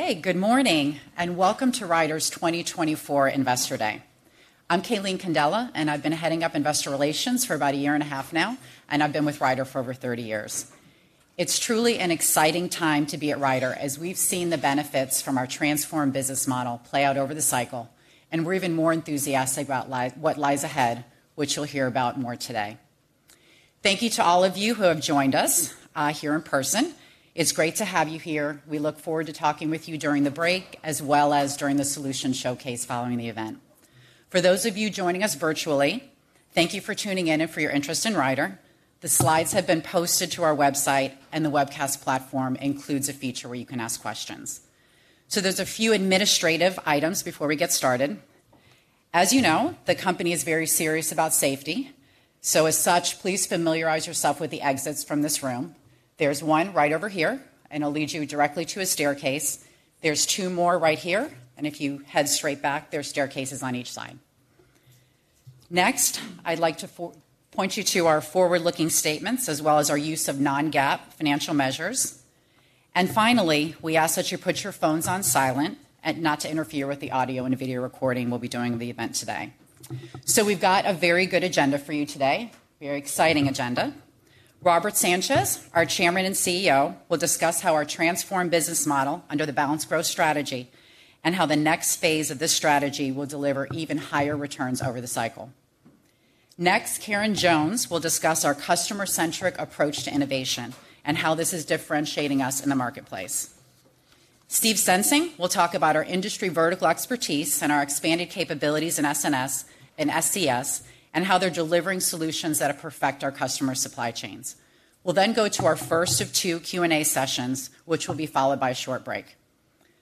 Hey, good morning, and welcome to Ryder's 2024 Investor Day. I'm Calene Candela, and I've been heading up investor relations for about a year and a half now, and I've been with Ryder for over 30 years. It's truly an exciting time to be at Ryder, as we've seen the benefits from our transformed business model play out over the cycle, and we're even more enthusiastic about what lies ahead, which you'll hear about more today. Thank you to all of you who have joined us here in person. It's great to have you here. We look forward to talking with you during the break, as well as during the solution showcase following the event. For those of you joining us virtually, thank you for tuning in and for your interest in Ryder. The slides have been posted to our website, and the webcast platform includes a feature where you can ask questions. So there's a few administrative items before we get started. As you know, the company is very serious about safety, so as such, please familiarize yourself with the exits from this room. There's one right over here, and it'll lead you directly to a staircase. There's two more right here, and if you head straight back, there are staircases on each side. Next, I'd like to point you to our forward-looking statements, as well as our use of non-GAAP financial measures. And finally, we ask that you put your phones on silent, and not to interfere with the audio and video recording we'll be doing of the event today. So we've got a very good agenda for you today, very exciting agenda. Robert Sanchez, our Chairman and CEO, will discuss how our transformed business model under the Balanced Growth strategy, and how the next phase of this strategy will deliver even higher returns over the cycle. Next, Karen Jones will discuss our customer-centric approach to innovation, and how this is differentiating us in the marketplace. Steve Sensing will talk about our industry vertical expertise and our expanded capabilities in DTS and SCS, and how they're delivering solutions that are perfect for our customer supply chains. We'll then go to our first of two Q&A sessions, which will be followed by a short break.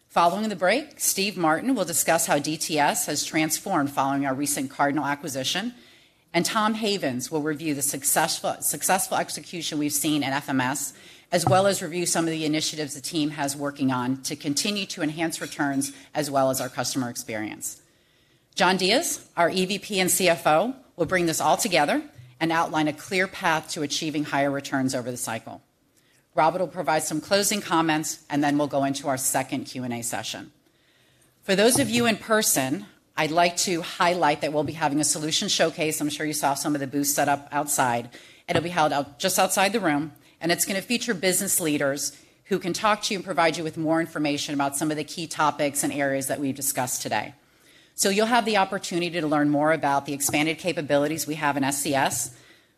Following the break, Steve Martin will discuss how DTS has transformed following our recent Cardinal acquisition, and Tom Havens will review the successful execution we've seen at FMS, as well as review some of the initiatives the team has working on to continue to enhance returns, as well as our customer experience. John Diez, our EVP and CFO, will bring this all together and outline a clear path to achieving higher returns over the cycle. Robert will provide some closing comments, and then we'll go into our second Q&A session. For those of you in person, I'd like to highlight that we'll be having a solution showcase. I'm sure you saw some of the booths set up outside, and it'll be held out just outside the room, and it's going to feature business leaders who can talk to you and provide you with more information about some of the key topics and areas that we've discussed today. So you'll have the opportunity to learn more about the expanded capabilities we have in SCS.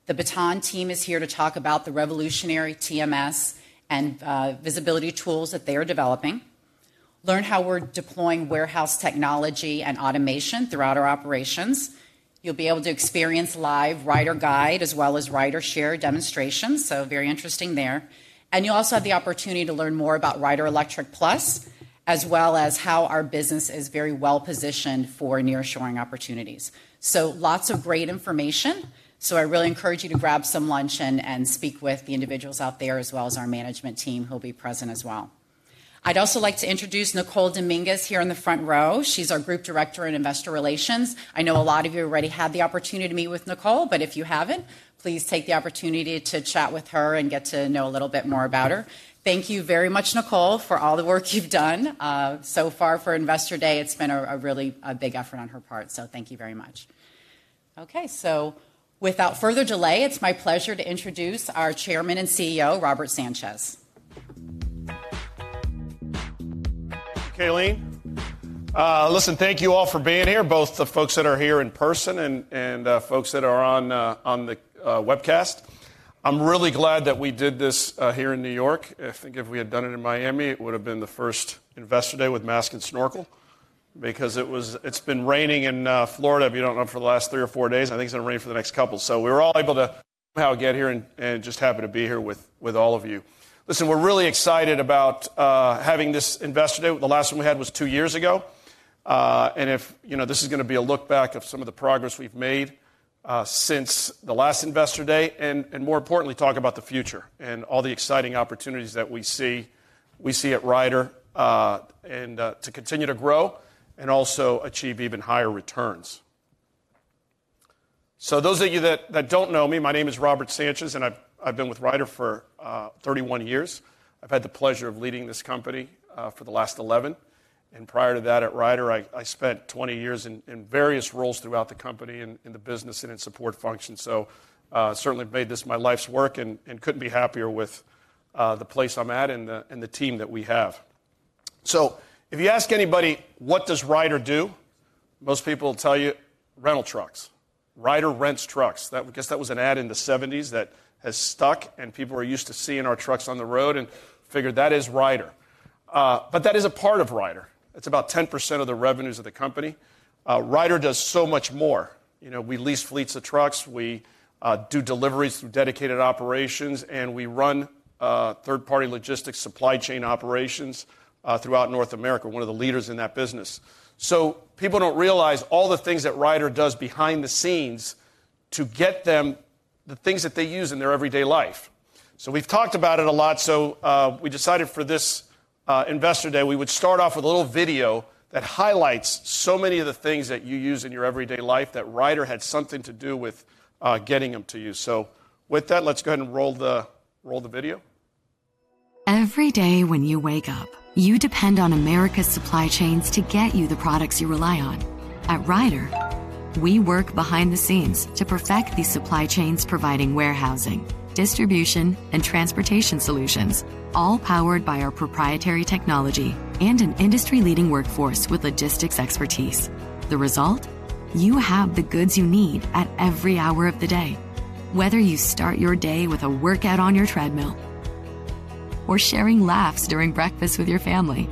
The Baton team is here to talk about the revolutionary TMS and visibility tools that they are developing. Learn how we're deploying warehouse technology and automation throughout our operations. You'll be able to experience live RyderGyde, as well as RyderShare demonstrations, so very interesting there. And you'll also have the opportunity to learn more about RyderElectric+, as well as how our business is very well-positioned for nearshoring opportunities. So lots of great information, so I really encourage you to grab some lunch and speak with the individuals out there, as well as our management team, who'll be present as well. I'd also like to introduce Nicole Dominguez here in the front row. She's our Group Director in Investor Relations. I know a lot of you already had the opportunity to meet with Nicole, but if you haven't, please take the opportunity to chat with her and get to know a little bit more about her. Thank you very much, Nicole, for all the work you've done so far for Investor Day. It's been a really big effort on her part, so thank you very much. Okay, so without further delay, it's my pleasure to introduce our Chairman and CEO, Robert Sanchez. Thank you, Calene. Listen, thank you all for being here, both the folks that are here in person and the folks that are on the webcast. I'm really glad that we did this here in New York. I think if we had done it in Miami, it would have been the first Investor Day with mask and snorkel because it's been raining in Florida, if you don't know, for the last 3 or 4 days, and I think it's going to rain for the next couple. So we were all able to somehow get here and just happy to be here with all of you. Listen, we're really excited about having this Investor Day. The last one we had was 2 years ago, and if... You know, this is gonna be a look back of some of the progress we've made since the last Investor Day, and more importantly, talk about the future and all the exciting opportunities that we see at Ryder, and to continue to grow and also achieve even higher returns. So those of you that don't know me, my name is Robert Sanchez, and I've been with Ryder for 31 years. I've had the pleasure of leading this company for the last 11, and prior to that, at Ryder, I spent 20 years in various roles throughout the company, in the business and in support functions. So certainly made this my life's work and couldn't be happier with the place I'm at and the team that we have. So if you ask anybody, what does Ryder do? Most people will tell you, "Rental trucks." Ryder rents trucks. That, I guess that was an ad in the 1970s that has stuck, and people are used to seeing our trucks on the road and figured that is Ryder. But that is a part of Ryder. It's about 10% of the revenues of the company. Ryder does so much more. You know, we lease fleets of trucks, we do deliveries through dedicated operations, and we run third-party logistics supply chain operations throughout North America, one of the leaders in that business. So people don't realize all the things that Ryder does behind the scenes to get them the things that they use in their everyday life. So we've talked about it a lot, so, we decided for this Investor Day, we would start off with a little video that highlights so many of the things that you use in your everyday life that Ryder had something to do with getting them to you. So with that, let's go ahead and roll the video. Every day when you wake up, you depend on America's supply chains to get you the products you rely on. At Ryder, we work behind the scenes to perfect these supply chains, providing warehousing, distribution, and transportation solutions, all powered by our proprietary technology and an industry-leading workforce with logistics expertise. The result? You have the goods you need at every hour of the day. Whether you start your day with a workout on your treadmill or sharing laughs during breakfast with your family,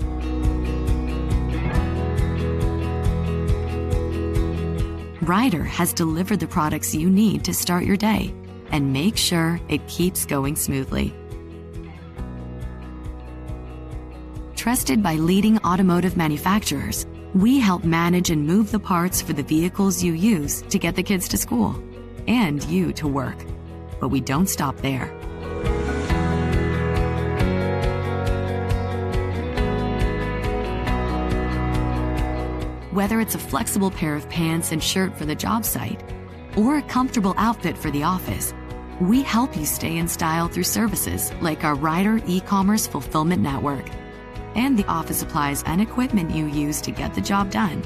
Ryder has delivered the products you need to start your day and make sure it keeps going smoothly. Trusted by leading automotive manufacturers, we help manage and move the parts for the vehicles you use to get the kids to school and you to work. We don't stop there. Whether it's a flexible pair of pants and shirt for the job site or a comfortable outfit for the office, we help you stay in style through services like our Ryder E-commerce fulfillment network and the office supplies and equipment you use to get the job done.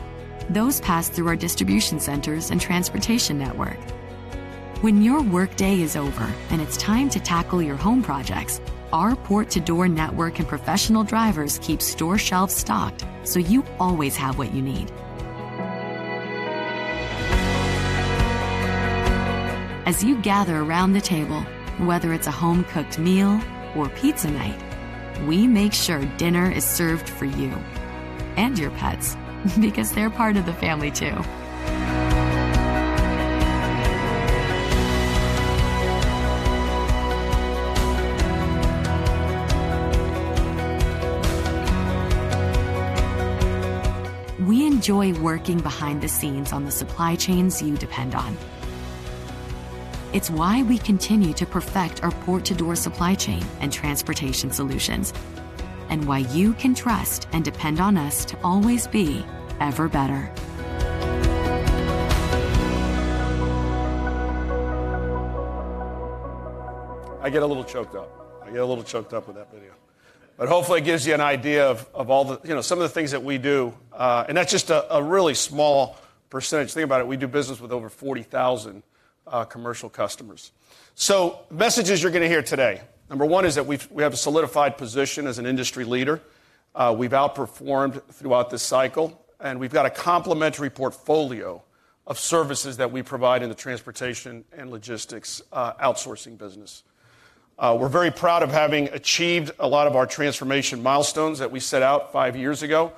Those pass through our distribution centers and transportation network. When your workday is over and it's time to tackle your home projects, our Port-to-Door network and professional drivers keep store shelves stocked, so you always have what you need. As you gather around the table, whether it's a home-cooked meal or pizza night, we make sure dinner is served for you and your pets because they're part of the family, too. We enjoy working behind the scenes on the supply chains you depend on. It's why we continue to perfect our Port-to-Door supply chain and transportation solutions, and why you can trust and depend on us to always be ever better. I get a little choked up. I get a little choked up with that video, but hopefully it gives you an idea of all the, you know, some of the things that we do, and that's just a really small percentage. Think about it, we do business with over 40,000 commercial customers. So messages you're going to hear today: number one is that we've, we have a solidified position as an industry leader. We've outperformed throughout this cycle, and we've got a complementary portfolio of services that we provide in the transportation and logistics outsourcing business. We're very proud of having achieved a lot of our transformation milestones that we set out five years ago.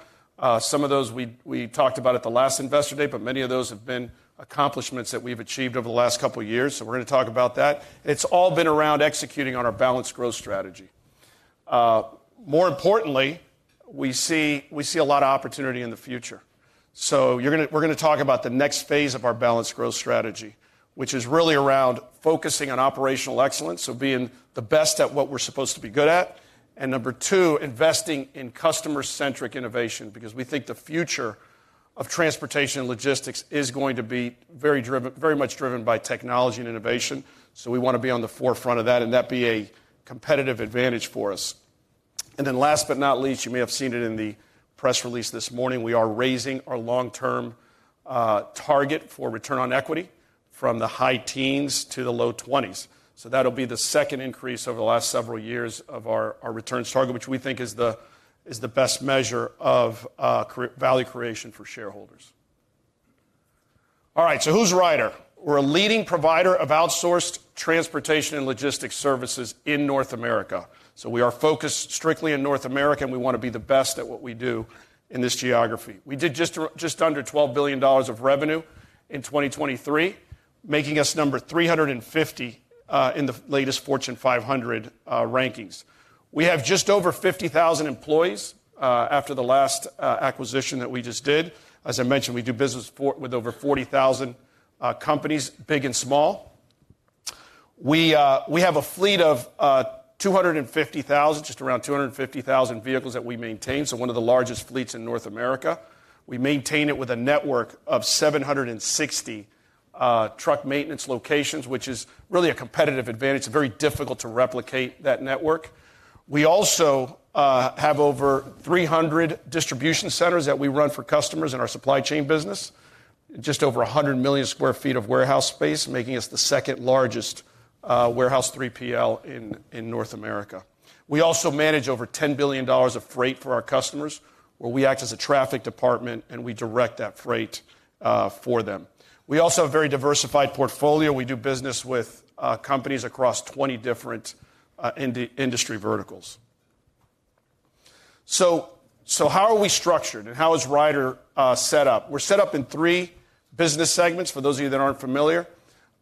Some of those we, we talked about at the last Investor Day, but many of those have been accomplishments that we've achieved over the last couple of years, so we're going to talk about that. It's all been around executing on our balanced growth strategy. More importantly, we see, we see a lot of opportunity in the future. So you're gonna... We're gonna talk about the next phase of our balanced growth strategy, which is really around focusing on operational excellence, so being the best at what we're supposed to be good at. And number two, investing in customer-centric innovation, because we think the future of transportation and logistics is going to be very driven, very much driven by technology and innovation. So we want to be on the forefront of that, and that be a competitive advantage for us. And then last but not least, you may have seen it in the press release this morning, we are raising our long-term target for return on equity from the high teens to the low twenties. So that'll be the second increase over the last several years of our returns target, which we think is the best measure of value creation for shareholders. All right, so who's Ryder? We're a leading provider of outsourced transportation and logistics services in North America. So we are focused strictly in North America, and we want to be the best at what we do in this geography. We did just under $12 billion of revenue in 2023, making us number 350 in the latest Fortune 500 rankings. We have just over 50,000 employees, after the last acquisition that we just did. As I mentioned, we do business for, with over 40,000 companies, big and small. We, we have a fleet of 250,000, just around 250,000 vehicles that we maintain, so one of the largest fleets in North America. We maintain it with a network of 760 truck maintenance locations, which is really a competitive advantage. Very difficult to replicate that network. We also, have over 300 distribution centers that we run for customers in our supply chain business. Just over 100 million sq ft of warehouse space, making us the second-largest warehouse 3PL in North America. We also manage over $10 billion of freight for our customers, where we act as a traffic department and we direct that freight for them. We also have a very diversified portfolio. We do business with companies across 20 different industry verticals. So, so how are we structured and how is Ryder set up? We're set up in 3 business segments, for those of you that aren't familiar.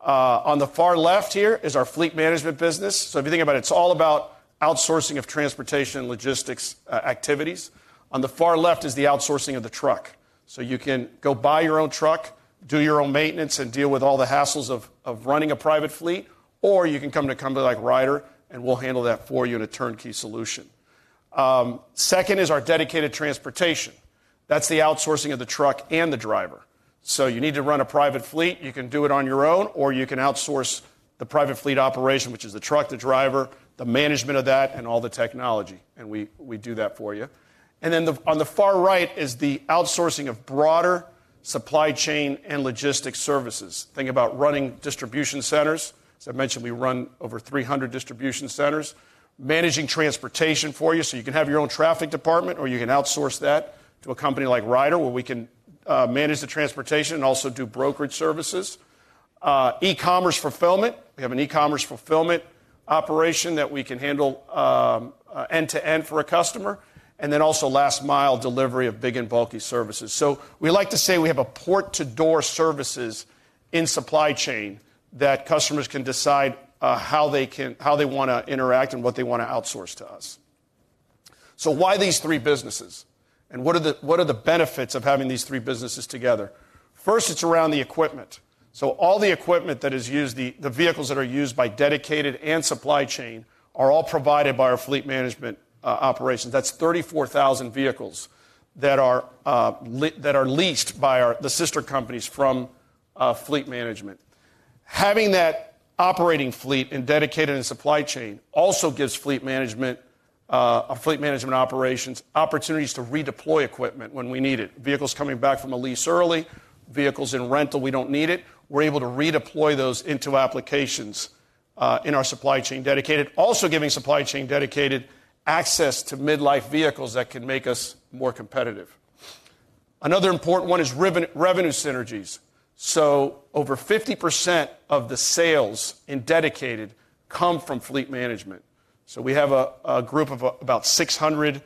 On the far left here is our fleet management business. So if you think about it, it's all about outsourcing of transportation and logistics activities. On the far left is the outsourcing of the truck. So you can go buy your own truck, do your own maintenance, and deal with all the hassles of running a private fleet, or you can come to a company like Ryder, and we'll handle that for you in a turnkey solution. Second is our dedicated transportation. That's the outsourcing of the truck and the driver. So you need to run a private fleet, you can do it on your own, or you can outsource the private fleet operation, which is the truck, the driver, the management of that, and all the technology, and we do that for you. And then, on the far right is the outsourcing of broader supply chain and logistics services. Think about running distribution centers. As I mentioned, we run over 300 distribution centers. Managing transportation for you, so you can have your own traffic department, or you can outsource that to a company like Ryder, where we can manage the transportation and also do brokerage services. E-commerce fulfillment. We have an e-commerce fulfillment operation that we can handle end-to-end for a customer, and then also last-mile delivery of big and bulky services. So we like to say we have a port-to-door services in supply chain, that customers can decide how they wanna interact and what they want to outsource to us. So why these three businesses? And what are the benefits of having these three businesses together? First, it's around the equipment. So all the equipment that is used, the vehicles that are used by dedicated and supply chain, are all provided by our fleet management operations. That's 34,000 vehicles that are leased by our sister companies from fleet management. Having that operating fleet in dedicated and supply chain also gives fleet management a fleet management operations opportunities to redeploy equipment when we need it. Vehicles coming back from a lease early, vehicles in rental, we don't need it, we're able to redeploy those into applications in our supply chain dedicated. Also giving supply chain dedicated access to mid-life vehicles that can make us more competitive. Another important one is revenue synergies. So over 50% of the sales in dedicated come from fleet management. So we have a group of about 600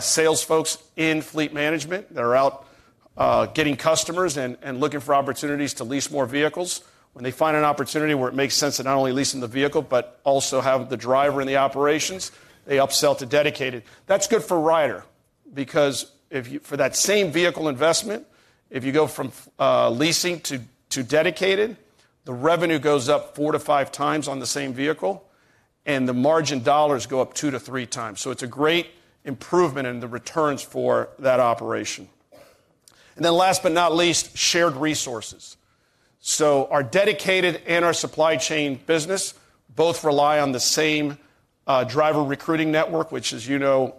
sales folks in fleet management that are out getting customers and looking for opportunities to lease more vehicles. When they find an opportunity where it makes sense to not only leasing the vehicle, but also have the driver in the operations, they upsell to dedicated. That's good for Ryder, because if you for that same vehicle investment, if you go from leasing to dedicated, the revenue goes up 4-5 times on the same vehicle, and the margin dollars go up 2-3 times. So it's a great improvement in the returns for that operation. And then last but not least, shared resources. So our dedicated and our supply chain business both rely on the same driver recruiting network, which as you know,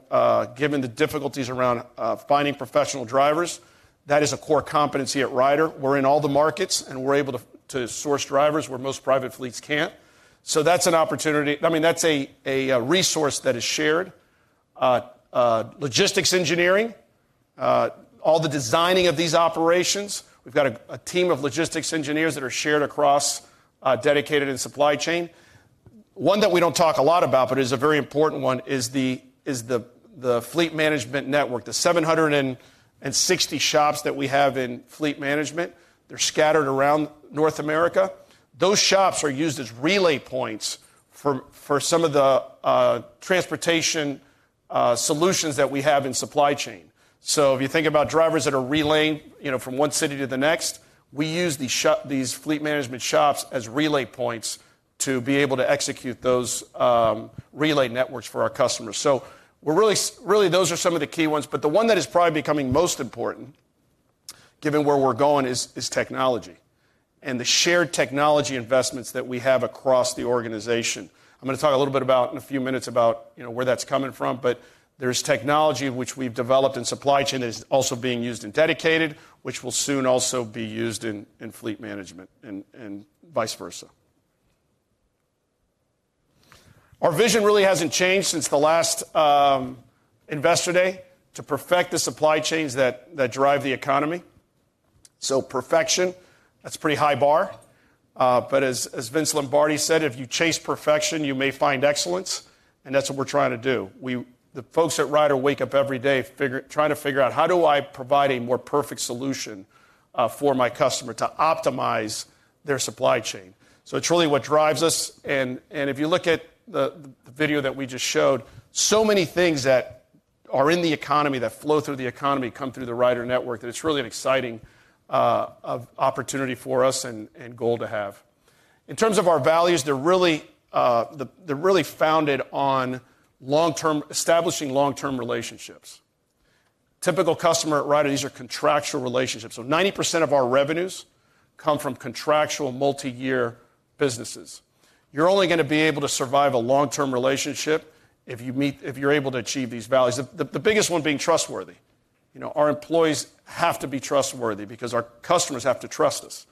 given the difficulties around finding professional drivers, that is a core competency at Ryder. We're in all the markets, and we're able to source drivers where most private fleets can't. So that's an opportunity—I mean, that's a resource that is shared. Logistics engineering, all the designing of these operations, we've got a team of logistics engineers that are shared across dedicated and supply chain. One that we don't talk a lot about, but is a very important one, is the fleet management network, the 760 shops that we have in fleet management, they're scattered around North America. Those shops are used as relay points for some of the transportation solutions that we have in supply chain. So if you think about drivers that are relaying, you know, from one city to the next, we use these fleet management shops as relay points to be able to execute those relay networks for our customers. So we're really, really, those are some of the key ones, but the one that is probably becoming most important, given where we're going, is technology, and the shared technology investments that we have across the organization. I'm going to talk a little bit about, in a few minutes, about, you know, where that's coming from, but there's technology which we've developed in supply chain that is also being used in dedicated, which will soon also be used in fleet management and vice versa. Our vision really hasn't changed since the last Investor Day: to perfect the supply chains that drive the economy. So perfection, that's a pretty high bar, but as Vince Lombardi said, "If you chase perfection, you may find excellence," and that's what we're trying to do. The folks at Ryder wake up every day trying to figure out, "How do I provide a more perfect solution for my customer to optimize their supply chain?" So it's really what drives us, and if you look at the video that we just showed, so many things that are in the economy that flow through the economy come through the Ryder network, that it's really an exciting opportunity for us and goal to have. In terms of our values, they're really founded on establishing long-term relationships. Typical customer at Ryder, these are contractual relationships. So 90% of our revenues come from contractual, multi-year businesses. You're only going to be able to survive a long-term relationship if you're able to achieve these values, the biggest one being trustworthy. You know, our employees have to be trustworthy because our customers have to trust us.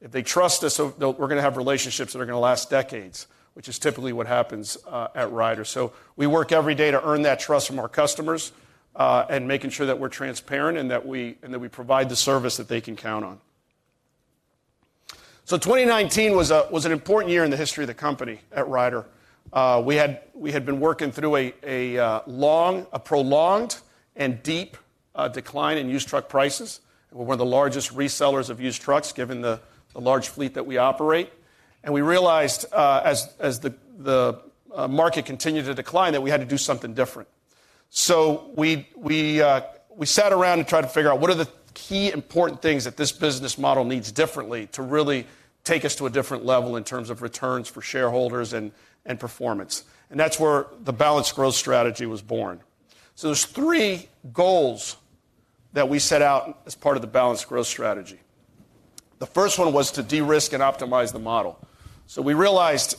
If they trust us, we're going to have relationships that are going to last decades, which is typically what happens at Ryder. So we work every day to earn that trust from our customers and making sure that we're transparent and that we provide the service that they can count on. So 2019 was an important year in the history of the company at Ryder. We had been working through a prolonged and deep decline in used truck prices. We're one of the largest resellers of used trucks, given the large fleet that we operate, and we realized as the market continued to decline that we had to do something different. So we sat around and tried to figure out what are the key important things that this business model needs differently to really take us to a different level in terms of returns for shareholders and, and performance, and that's where the balanced growth strategy was born. So there's three goals that we set out as part of the balanced growth strategy. The first one was to de-risk and optimize the model. So we realized,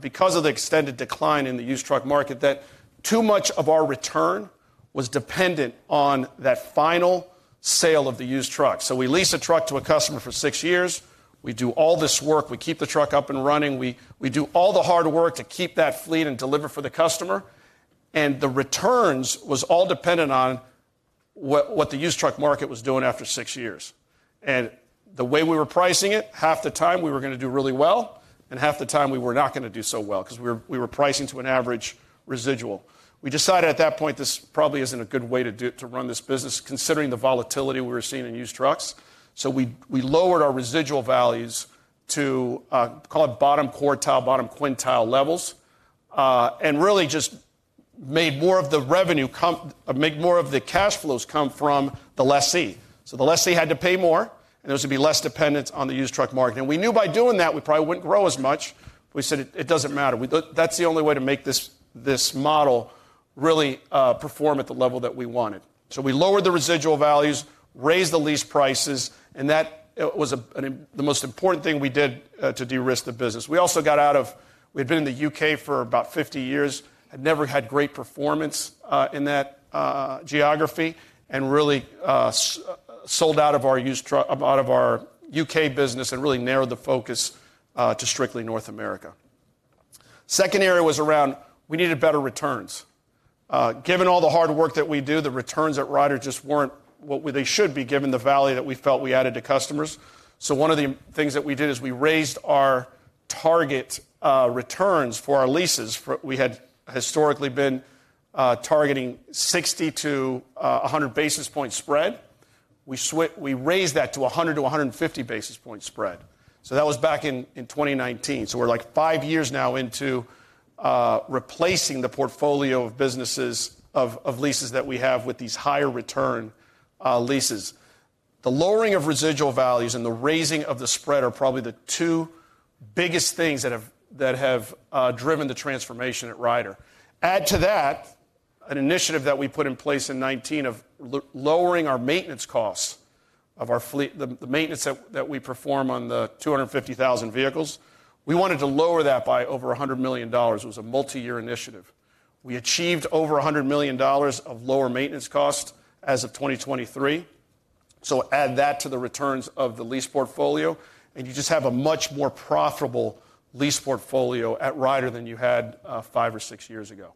because of the extended decline in the used truck market, that too much of our return was dependent on that final sale of the used truck. So we lease a truck to a customer for six years. We do all this work. We keep the truck up and running. We do all the hard work to keep that fleet and deliver for the customer, and the returns was all dependent on what the used truck market was doing after six years. And the way we were pricing it, half the time, we were going to do really well, and half the time we were not going to do so well, 'cause we were pricing to an average residual. We decided at that point, this probably isn't a good way to run this business, considering the volatility we were seeing in used trucks. So we lowered our residual values to call it bottom quartile, bottom quintile levels, and really just made more of the revenue come, make more of the cash flows come from the lessee. So the lessee had to pay more, and it was going to be less dependent on the used truck market. And we knew by doing that, we probably wouldn't grow as much. We said: It, it doesn't matter. We thought that's the only way to make this, this model really perform at the level that we wanted. So we lowered the residual values, raised the lease prices, and that was the most important thing we did to de-risk the business. We also got out of the U.K. We had been in the U.K. for about 50 years, had never had great performance in that geography, and really sold out of our used truck out of our U.K. business and really narrowed the focus to strictly North America. Second area was around, we needed better returns. Given all the hard work that we do, the returns at Ryder just weren't what they should be, given the value that we felt we added to customers. So one of the things that we did is we raised our target, returns for our leases, for... We had historically been, targeting 60 to 100 basis point spread. We raised that to 100 to 150 basis point spread. So that was back in, in 2019. So we're like five years now into, replacing the portfolio of businesses of, of leases that we have with these higher return, leases. The lowering of residual values and the raising of the spread are probably the two biggest things that have, that have, driven the transformation at Ryder. Add to that, an initiative that we put in place in 2019, lowering our maintenance costs of our fleet, the maintenance that we perform on the 250,000 vehicles. We wanted to lower that by over $100 million. It was a multi-year initiative. We achieved over $100 million of lower maintenance cost as of 2023. So add that to the returns of the lease portfolio, and you just have a much more profitable lease portfolio at Ryder than you had five or six years ago.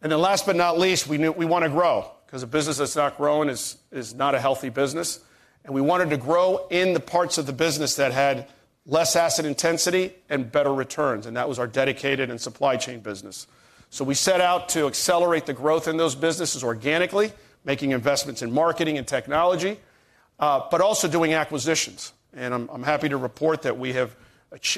And then, last but not least, we knew we want to grow, 'cause a business that's not growing is not a healthy business, and we wanted to grow in the parts of the business that had less asset intensity and better returns, and that was our dedicated and supply chain business. So we set out to accelerate the growth in those businesses organically, making investments in marketing and technology, but also doing acquisitions. And I'm, I'm happy to report that we have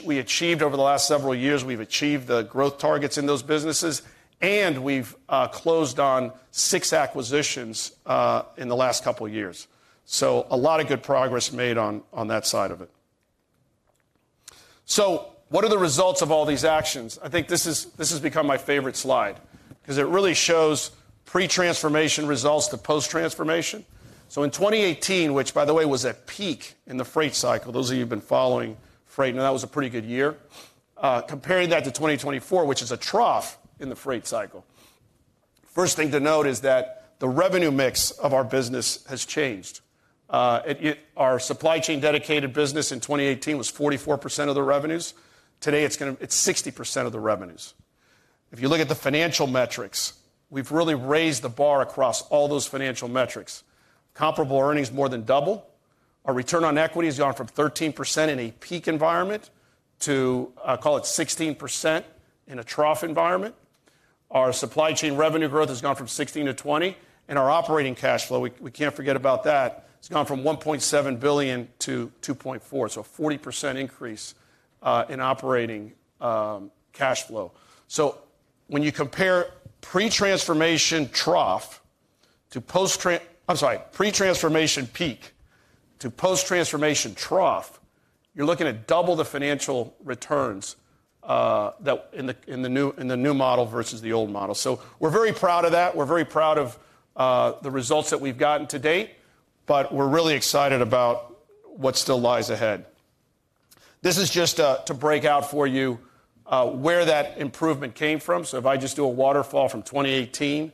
we achieved over the last several years, we've achieved the growth targets in those businesses, and we've closed down six acquisitions in the last couple of years. So a lot of good progress made on, on that side of it. So what are the results of all these actions? I think this has become my favorite slide, 'cause it really shows pre-transformation results to post-transformation. So in 2018, which, by the way, was a peak in the freight cycle, those of you who've been following freight, know that was a pretty good year. Comparing that to 2024, which is a trough in the freight cycle, first thing to note is that the revenue mix of our business has changed. Our supply chain dedicated business in 2018 was 44% of the revenues. Today, it's sixty percent of the revenues. If you look at the financial metrics, we've really raised the bar across all those financial metrics. Comparable earnings more than double. Our return on equity has gone from 13% in a peak environment to, call it 16% in a trough environment. Our supply chain revenue growth has gone from 16% to 20%, and our operating cash flow, we can't forget about that, it's gone from $1.7 billion to $2.4 billion, so a 40% increase in operating cash flow. So when you compare pre-transformation trough to post-trans... I'm sorry, pre-transformation peak to post-transformation trough, you're looking at double the financial returns that in the new model versus the old model. So we're very proud of that. We're very proud of the results that we've gotten to date, but we're really excited about what still lies ahead. This is just to break out for you where that improvement came from. So if I just do a waterfall from 2018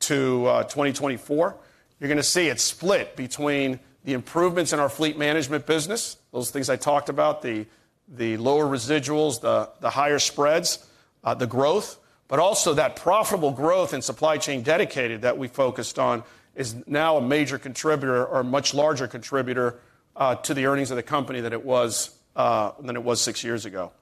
to 2024, you're going to see it split between the improvements in our fleet management business, those things I talked about, the lower residuals, the higher spreads, the growth, but also that profitable growth and supply chain dedicated that we focused on is now a major contributor or a much larger contributor to the earnings of the company than it was than it was six years ago.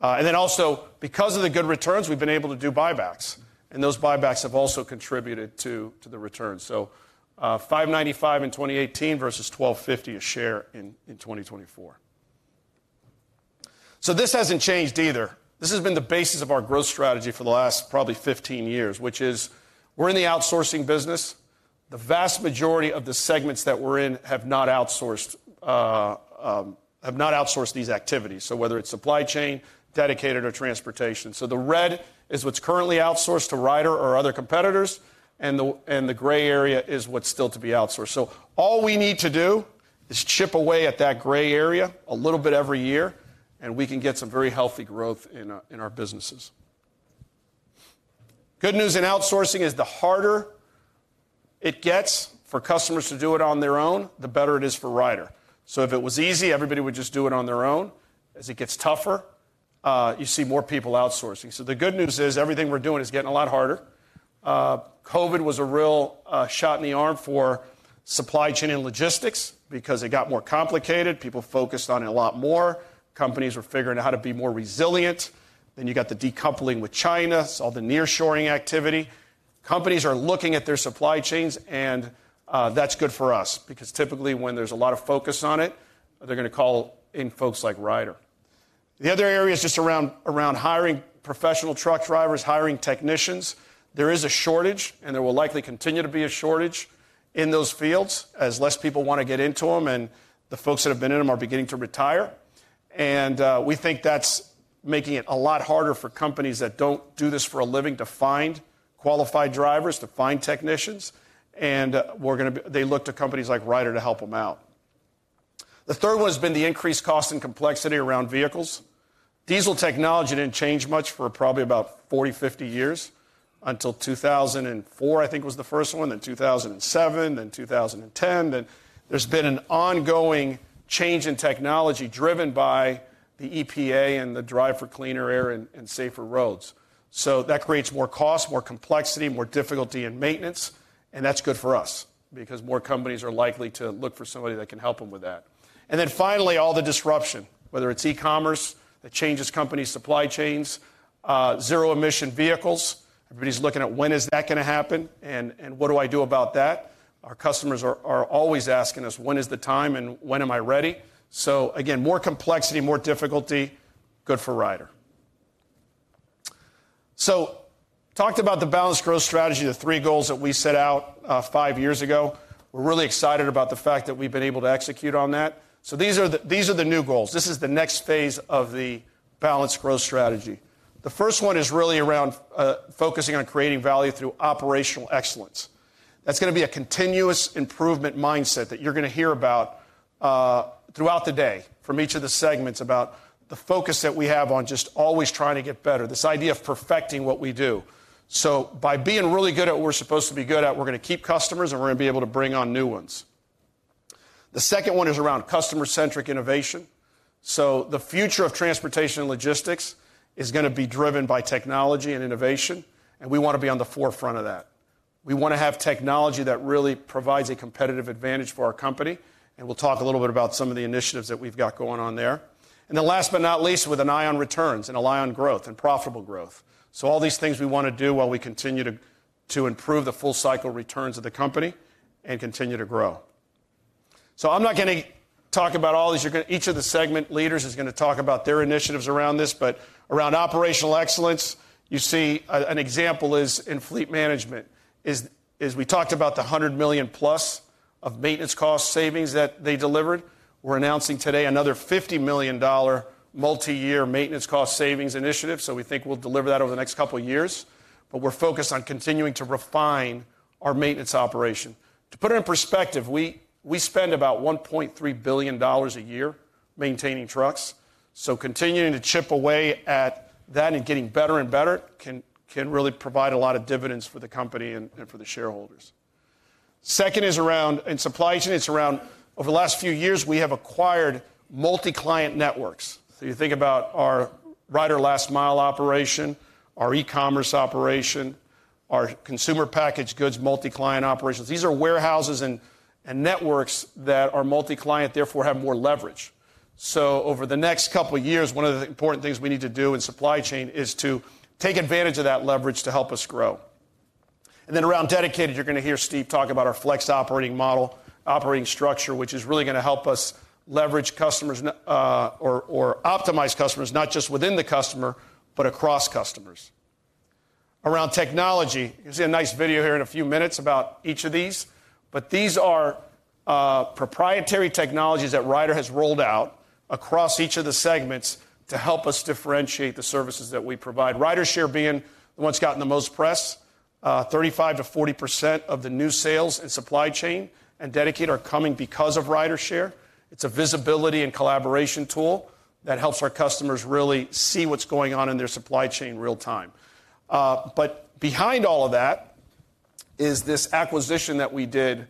And then also, because of the good returns, we've been able to do buybacks, and those buybacks have also contributed to the returns. So, $5.95 in 2018 versus $12.50 a share in 2024. So this hasn't changed either. This has been the basis of our growth strategy for the last probably 15 years, which is we're in the outsourcing business. The vast majority of the segments that we're in have not outsourced these activities, so whether it's supply chain, dedicated, or transportation. So the red is what's currently outsourced to Ryder or other competitors, and the gray area is what's still to be outsourced. So all we need to do is chip away at that gray area a little bit every year, and we can get some very healthy growth in our businesses. Good news in outsourcing is the harder it gets for customers to do it on their own, the better it is for Ryder. So if it was easy, everybody would just do it on their own. As it gets tougher, you see more people outsourcing. So the good news is, everything we're doing is getting a lot harder. COVID was a real shot in the arm for supply chain and logistics because it got more complicated. People focused on it a lot more. Companies were figuring out how to be more resilient. Then you got the decoupling with China, so all the nearshoring activity. Companies are looking at their supply chains, and that's good for us because typically when there's a lot of focus on it, they're going to call in folks like Ryder. The other area is just around hiring professional truck drivers, hiring technicians. There is a shortage, and there will likely continue to be a shortage in those fields as less people want to get into them, and the folks that have been in them are beginning to retire. We think that's making it a lot harder for companies that don't do this for a living to find qualified drivers, to find technicians, and they look to companies like Ryder to help them out. The third one has been the increased cost and complexity around vehicles. Diesel technology didn't change much for probably about 40, 50 years, until 2004, I think, was the first one, then 2007, then 2010. Then there's been an ongoing change in technology driven by the EPA and the drive for cleaner air and safer roads. So that creates more cost, more complexity, more difficulty in maintenance, and that's good for us because more companies are likely to look for somebody that can help them with that. And then finally, all the disruption, whether it's e-commerce, that changes companies' supply chains, zero-emission vehicles. Everybody's looking at when is that going to happen, and, and what do I do about that? Our customers are, are always asking us, "When is the time, and when am I ready?" So again, more complexity, more difficulty, good for Ryder. So talked about the balanced growth strategy, the three goals that we set out, five years ago. We're really excited about the fact that we've been able to execute on that. So these are the, these are the new goals. This is the next phase of the balanced growth strategy. The first one is really around, focusing on creating value through operational excellence. That's going to be a continuous improvement mindset that you're going to hear about throughout the day from each of the segments about the focus that we have on just always trying to get better, this idea of perfecting what we do. So by being really good at what we're supposed to be good at, we're going to keep customers, and we're going to be able to bring on new ones. The second one is around customer-centric innovation. So the future of transportation and logistics is going to be driven by technology and innovation, and we want to be on the forefront of that. We want to have technology that really provides a competitive advantage for our company, and we'll talk a little bit about some of the initiatives that we've got going on there. And then last but not least, with an eye on returns and an eye on growth and profitable growth. So all these things we want to do while we continue to improve the full cycle returns of the company and continue to grow. So I'm not going to talk about all these. Each of the segment leaders is going to talk about their initiatives around this, but around operational excellence, you see an example in fleet management. We talked about the $100 million+ of maintenance cost savings that they delivered. We're announcing today another $50 million multiyear maintenance cost savings initiative, so we think we'll deliver that over the next couple of years, but we're focused on continuing to refine our maintenance operation. To put it in perspective, we spend about $1.3 billion a year maintaining trucks, so continuing to chip away at that and getting better and better can really provide a lot of dividends for the company and for the shareholders. Second is around... in supply chain, it's around over the last few years, we have acquired multi-client networks. So you think about our Ryder Last Mile operation, our e-commerce operation, our consumer packaged goods multi-client operations. These are warehouses and networks that are multi-client, therefore have more leverage. So over the next couple of years, one of the important things we need to do in supply chain is to take advantage of that leverage to help us grow. Then around dedicated, you're going to hear Steve talk about our flex operating model, operating structure, which is really going to help us leverage customers, or, or optimize customers, not just within the customer, but across customers. Around technology, you'll see a nice video here in a few minutes about each of these, but these are, proprietary technologies that Ryder has rolled out across each of the segments to help us differentiate the services that we provide. RyderShare being the one that's gotten the most press, 35%-40% of the new sales and supply chain and Dedicated are coming because of RyderShare. It's a visibility and collaboration tool that helps our customers really see what's going on in their supply chain real time. But behind all of that is this acquisition that we did,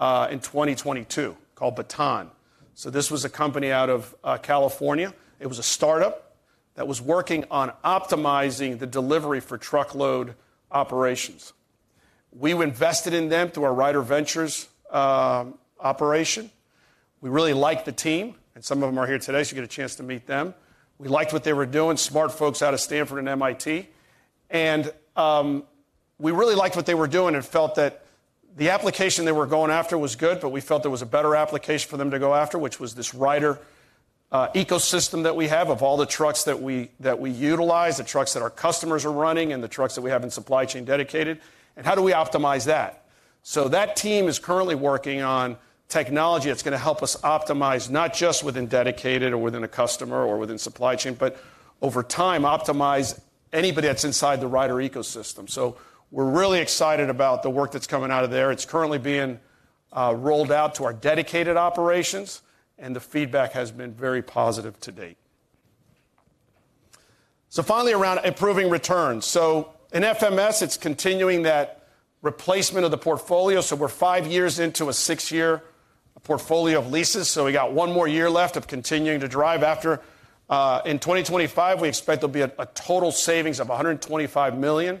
in 2022 called Baton. So this was a company out of California. It was a startup that was working on optimizing the delivery for truckload operations. We invested in them through our Ryder Ventures operation. We really like the team, and some of them are here today, so you get a chance to meet them. We liked what they were doing, smart folks out of Stanford and MIT, and we really liked what they were doing and felt that the application they were going after was good, but we felt there was a better application for them to go after, which was this Ryder ecosystem that we have of all the trucks that we utilize, the trucks that our customers are running, and the trucks that we have in supply chain dedicated, and how do we optimize that? So that team is currently working on technology that's going to help us optimize not just within Dedicated or within a customer or within supply chain, but over time, optimize anybody that's inside the Ryder ecosystem. So we're really excited about the work that's coming out of there. It's currently being rolled out to our dedicated operations, and the feedback has been very positive to date. So finally, around improving returns. So in FMS, it's continuing that replacement of the portfolio. So we're 5 years into a six-year portfolio of leases, so we got one more year left of continuing to drive after. In 2025, we expect there'll be a total savings of $125 million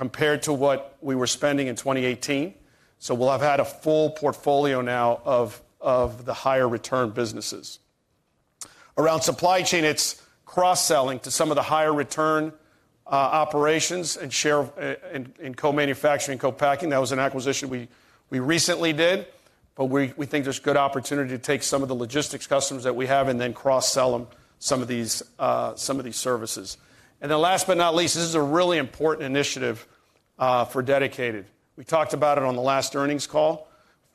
compared to what we were spending in 2018. So we'll have had a full portfolio now of the higher return businesses. Around supply chain, it's cross-selling to some of the higher return operations and share in co-manufacturing, co-packing. That was an acquisition we recently did, but we think there's good opportunity to take some of the logistics customers that we have and then cross-sell them some of these services. And then last but not least, this is a really important initiative for dedicated. We talked about it on the last earnings call.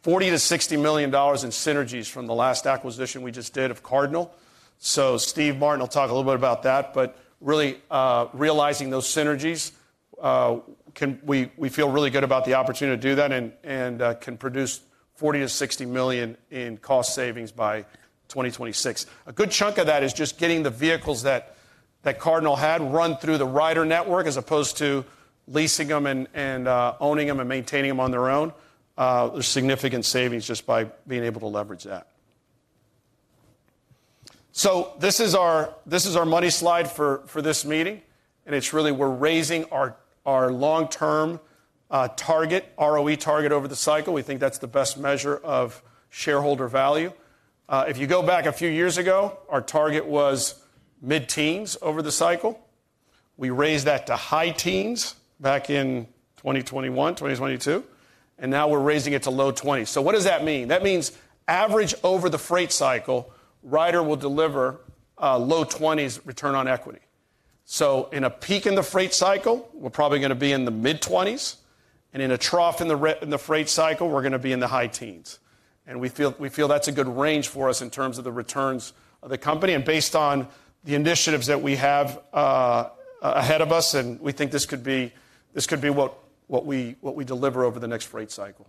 $40 million-$60 million in synergies from the last acquisition we just did of Cardinal. So Steve Martin will talk a little bit about that, but really, realizing those synergies can—we, we feel really good about the opportunity to do that and can produce $40 million-$60 million in cost savings by 2026. A good chunk of that is just getting the vehicles that Cardinal had run through the Ryder network, as opposed to leasing them and owning them and maintaining them on their own. There's significant savings just by being able to leverage that. So this is our money slide for this meeting, and it's really we're raising our long-term target ROE target over the cycle. We think that's the best measure of shareholder value. If you go back a few years ago, our target was mid-teens over the cycle. We raised that to high teens back in 2021, 2022, and now we're raising it to low twenties. So what does that mean? That means average over the freight cycle, Ryder will deliver low twenties return on equity. So in a peak in the freight cycle, we're probably gonna be in the mid-20s, and in a trough in the freight cycle, we're gonna be in the high teens. And we feel, we feel that's a good range for us in terms of the returns of the company, and based on the initiatives that we have ahead of us, and we think this could be, this could be what, what we, what we deliver over the next freight cycle.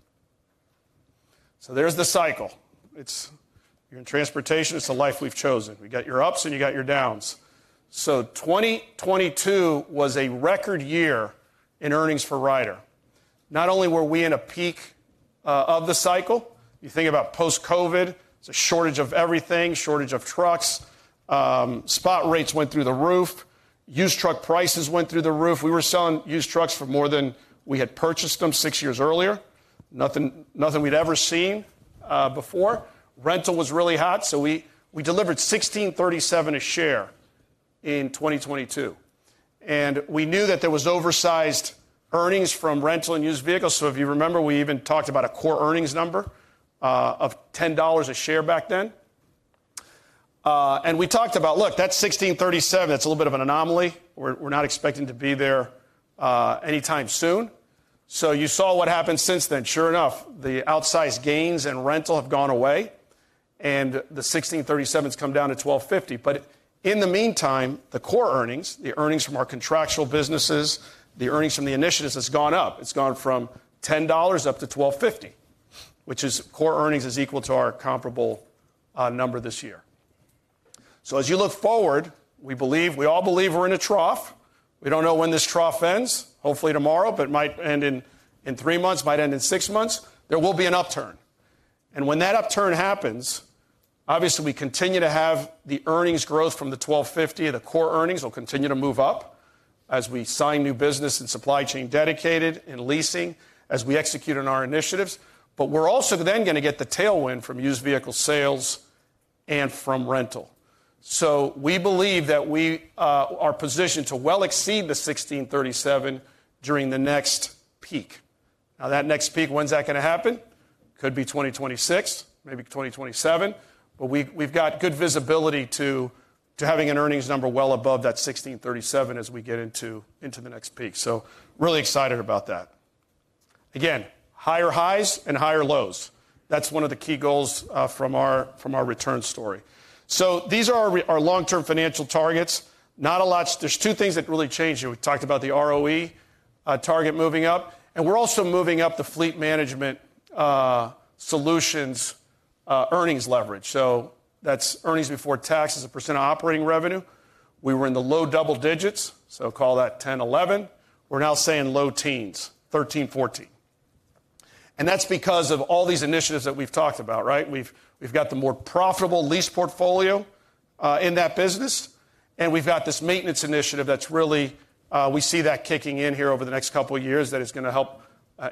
So there's the cycle. It's... You're in transportation, it's a life we've chosen. We got your ups, and you got your downs. So 2022 was a record year in earnings for Ryder. Not only were we in a peak of the cycle, you think about post-COVID, it's a shortage of everything, shortage of trucks, spot rates went through the roof, used truck prices went through the roof. We were selling used trucks for more than we had purchased them 6 years earlier. Nothing, nothing we'd ever seen before. Rental was really hot, so we delivered $16.37 a share in 2022, and we knew that there was oversized earnings from rental and used vehicles, so if you remember, we even talked about a core earnings number of $10 a share back then. And we talked about, look, that's $16.37. That's a little bit of an anomaly. We're not expecting to be there anytime soon. So you saw what happened since then. Sure enough, the outsized gains in rental have gone away, and the $16.37s come down to $12.50. But in the meantime, the core earnings, the earnings from our contractual businesses, the earnings from the initiatives, has gone up. It's gone from $10 up to $12.50, which is core earnings is equal to our comparable number this year. So as you look forward, we believe, we all believe we're in a trough. We don't know when this trough ends. Hopefully tomorrow, but it might end in three months, might end in six months. There will be an upturn, and when that upturn happens, obviously, we continue to have the earnings growth from the $12.50, and the core earnings will continue to move up as we sign new business and supply chain dedicated and leasing, as we execute on our initiatives. But we're also then gonna get the tailwind from used vehicle sales and from rental. So we believe that we are positioned to well exceed the $16.37 during the next peak. Now, that next peak, when's that gonna happen? Could be 2026, maybe 2027, but we, we've got good visibility to, to having an earnings number well above that $16.37 as we get into, into the next peak. So really excited about that. Again, higher highs and higher lows. That's one of the key goals from our, from our return story. So these are our, our long-term financial targets. Not a lot. There's two things that really changed here. We talked about the ROE target moving up, and we're also moving up the fleet management solutions earnings leverage. So that's earnings before tax as a % of operating revenue. We were in the low double digits, so call that 10, 11. We're now saying low teens, 13, 14. And that's because of all these initiatives that we've talked about, right? We've, we've got the more profitable lease portfolio in that business, and we've got this maintenance initiative that's really, we see that kicking in here over the next couple of years, that is gonna help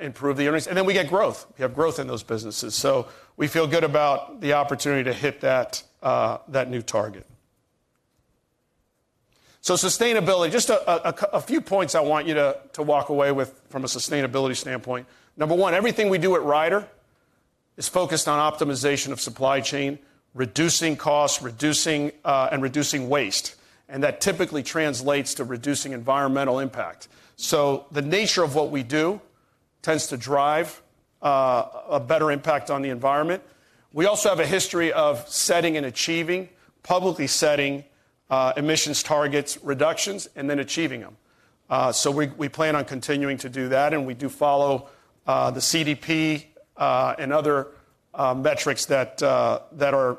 improve the earnings. And then we get growth. We have growth in those businesses, so we feel good about the opportunity to hit that new target. So sustainability, just a few points I want you to walk away with from a sustainability standpoint. Number one, everything we do at Ryder is focused on optimization of supply chain, reducing costs, reducing, and reducing waste, and that typically translates to reducing environmental impact. So the nature of what we do tends to drive a better impact on the environment. We also have a history of setting and achieving, publicly setting, emissions targets, reductions, and then achieving them. So we plan on continuing to do that, and we do follow the CDP and other metrics that are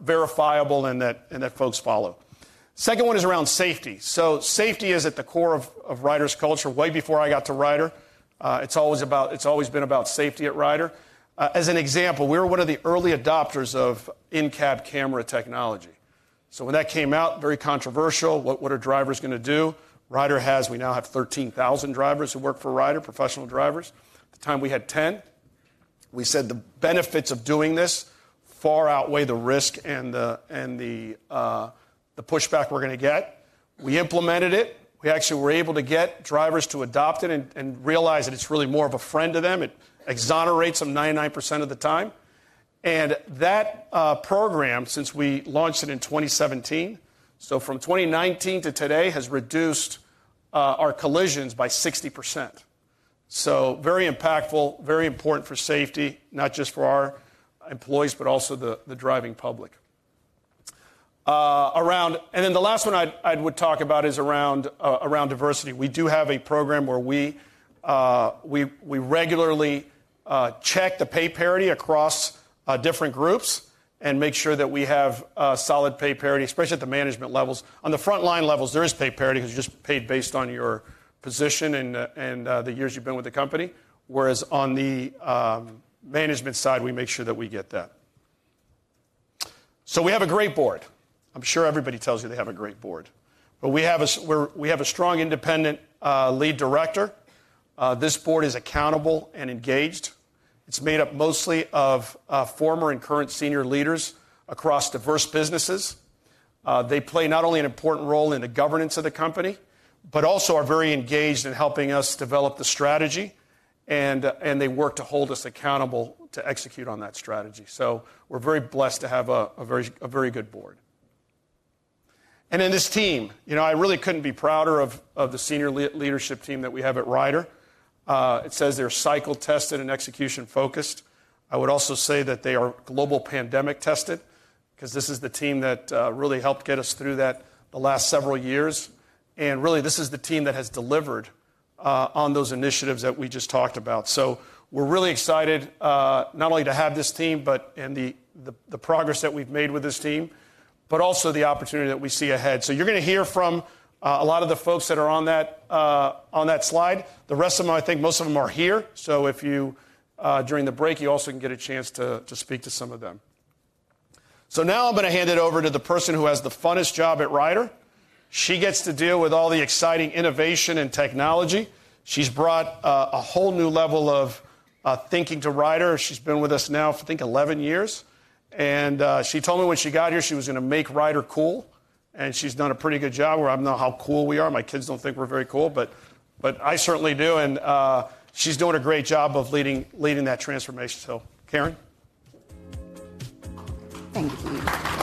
verifiable and that folks follow. Second one is around safety. So safety is at the core of Ryder's culture. Way before I got to Ryder, it's always been about safety at Ryder. As an example, we were one of the early adopters of in-cab camera technology. So when that came out, very controversial. What are drivers gonna do? We now have 13,000 drivers who work for Ryder, professional drivers. At the time, we had 10. We said the benefits of doing this far outweigh the risk and the pushback we're gonna get. We implemented it. We actually were able to get drivers to adopt it and realize that it's really more of a friend to them. It exonerates them 99% of the time. And that program, since we launched it in 2017, so from 2019 to today, has reduced our collisions by 60%. So very impactful, very important for safety, not just for our employees, but also the driving public. Around—And then the last one I'd talk about is around diversity. We do have a program where we regularly check the pay parity across different groups and make sure that we have solid pay parity, especially at the management levels. On the frontline levels, there is pay parity because you're just paid based on your position and the years you've been with the company, whereas on the management side, we make sure that we get that. So we have a great board. I'm sure everybody tells you they have a great board, but we have a strong, independent lead director. This board is accountable and engaged. It's made up mostly of former and current senior leaders across diverse businesses. They play not only an important role in the governance of the company, but also are very engaged in helping us develop the strategy, and and they work to hold us accountable to execute on that strategy. So we're very blessed to have a very good board. And then this team, you know, I really couldn't be prouder of the senior leadership team that we have at Ryder. It says they're cycle-tested and execution-focused. I would also say that they are global pandemic-tested, because this is the team that really helped get us through that the last several years, and really, this is the team that has delivered on those initiatives that we just talked about. So we're really excited, not only to have this team, but the progress that we've made with this team, but also the opportunity that we see ahead. So you're gonna hear from a lot of the folks that are on that slide. The rest of them, I think most of them are here, so if you, during the break, you also can get a chance to speak to some of them. So now I'm going to hand it over to the person who has the funnest job at Ryder. She gets to deal with all the exciting innovation and technology. She's brought a whole new level of thinking to Ryder. She's been with us now for, I think, 11 years, and she told me when she got here, she was gonna make Ryder cool, and she's done a pretty good job. Well, I don't know how cool we are. My kids don't think we're very cool, but I certainly do, and she's doing a great job of leading that transformation. So, Karen? Thank you.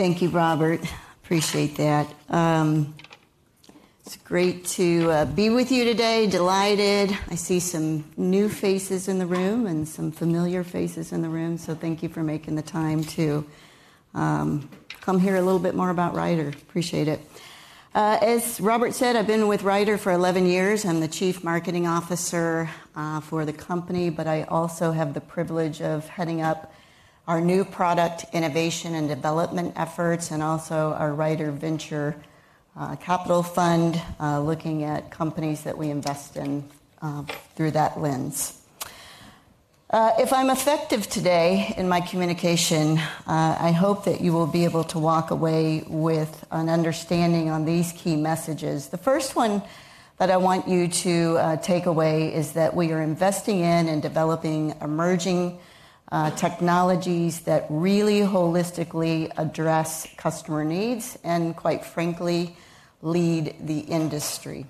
Thank you, Robert. Appreciate that. It's great to be with you today. Delighted. I see some new faces in the room and some familiar faces in the room, so thank you for making the time to come hear a little bit more about Ryder. Appreciate it. As Robert said, I've been with Ryder for 11 years. I'm the Chief Marketing Officer for the company, but I also have the privilege of heading up our new product innovation and development efforts, and also our Ryder Ventures capital fund, looking at companies that we invest in through that lens. If I'm effective today in my communication, I hope that you will be able to walk away with an understanding on these key messages. The first one that I want you to take away is that we are investing in and developing emerging technologies that really holistically address customer needs and, quite frankly, lead the industry.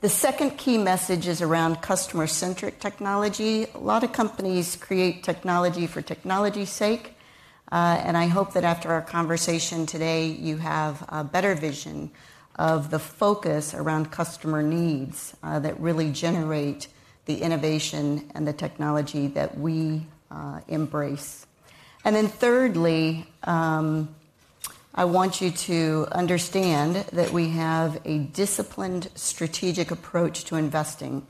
The second key message is around customer-centric technology. A lot of companies create technology for technology's sake, and I hope that after our conversation today, you have a better vision of the focus around customer needs that really generate the innovation and the technology that we embrace. And then thirdly, I want you to understand that we have a disciplined, strategic approach to investing.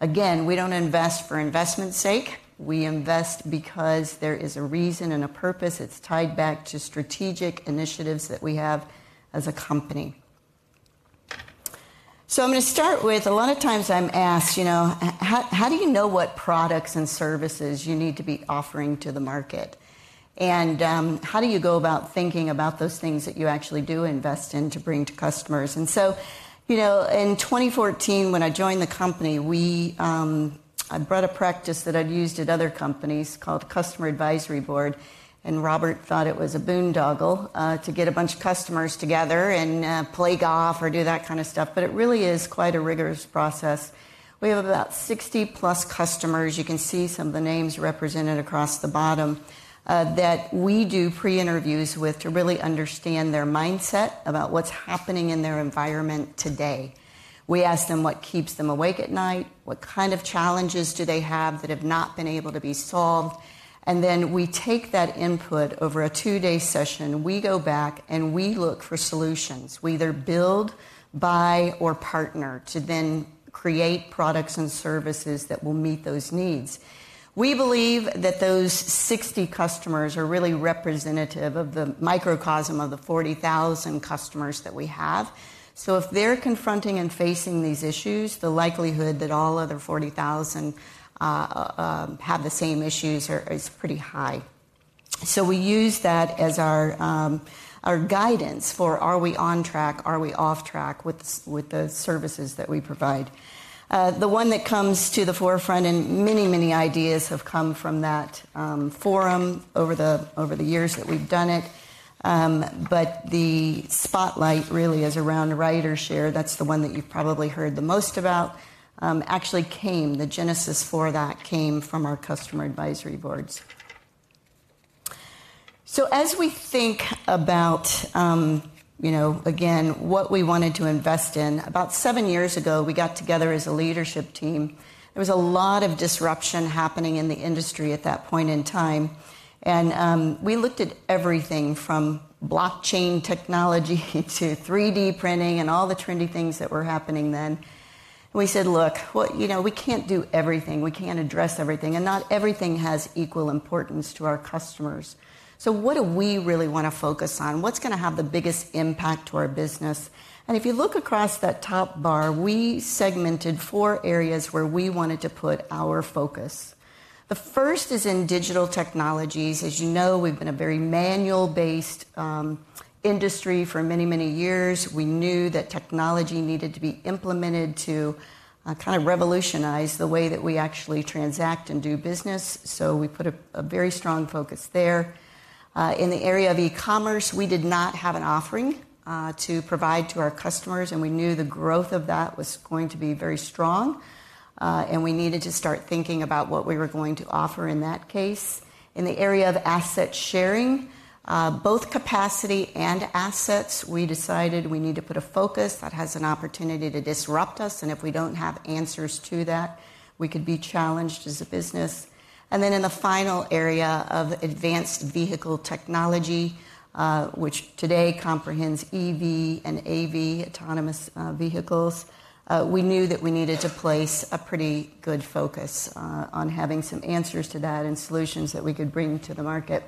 Again, we don't invest for investment's sake. We invest because there is a reason and a purpose. It's tied back to strategic initiatives that we have as a company. So I'm gonna start with... A lot of times I'm asked, you know, "how, how do you know what products and services you need to be offering to the market? And how do you go about thinking about those things that you actually do invest in to bring to customers?" And so, you know, in 2014, when I joined the company, we, I brought a practice that I'd used at other companies, called Customer Advisory Board, and Robert thought it was a boondoggle, to get a bunch of customers together and play golf or do that kind of stuff, but it really is quite a rigorous process. We have about 60-plus customers, you can see some of the names represented across the bottom, that we do pre-interviews with to really understand their mindset about what's happening in their environment today. We ask them: what keeps them awake at night? What kind of challenges do they have that have not been able to be solved? And then we take that input over a two-day session, we go back, and we look for solutions. We either build, buy, or partner to then create products and services that will meet those needs. We believe that those 60 customers are really representative of the microcosm of the 40,000 customers that we have. So if they're confronting and facing these issues, the likelihood that all other 40,000 have the same issues are, is pretty high. So we use that as our, our guidance for are we on track, are we off track with the services that we provide? The one that comes to the forefront, and many, many ideas have come from that forum over the years that we've done it, but the spotlight really is around RyderShare. That's the one that you've probably heard the most about. The genesis for that came from our customer advisory boards. So as we think about, you know, again, what we wanted to invest in, about seven years ago we got together as a leadership team. There was a lot of disruption happening in the industry at that point in time, and we looked at everything from blockchain technology to 3D printing and all the trendy things that were happening then. And we said, "Look, well, you know, we can't do everything. We can't address everything, and not everything has equal importance to our customers. So what do we really want to focus on? What's going to have the biggest impact to our business?" If you look across that top bar, we segmented four areas where we wanted to put our focus. The first is in digital technologies. As you know, we've been a very manual-based industry for many, many years. We knew that technology needed to be implemented to kind of revolutionize the way that we actually transact and do business, so we put a very strong focus there. In the area of e-commerce, we did not have an offering to provide to our customers, and we knew the growth of that was going to be very strong, and we needed to start thinking about what we were going to offer in that case. In the area of asset sharing, both capacity and assets, we decided we need to put a focus. That has an opportunity to disrupt us, and if we don't have answers to that, we could be challenged as a business. And then in the final area of advanced vehicle technology, which today comprehends EV and AV, autonomous vehicles, we knew that we needed to place a pretty good focus, on having some answers to that and solutions that we could bring to the market.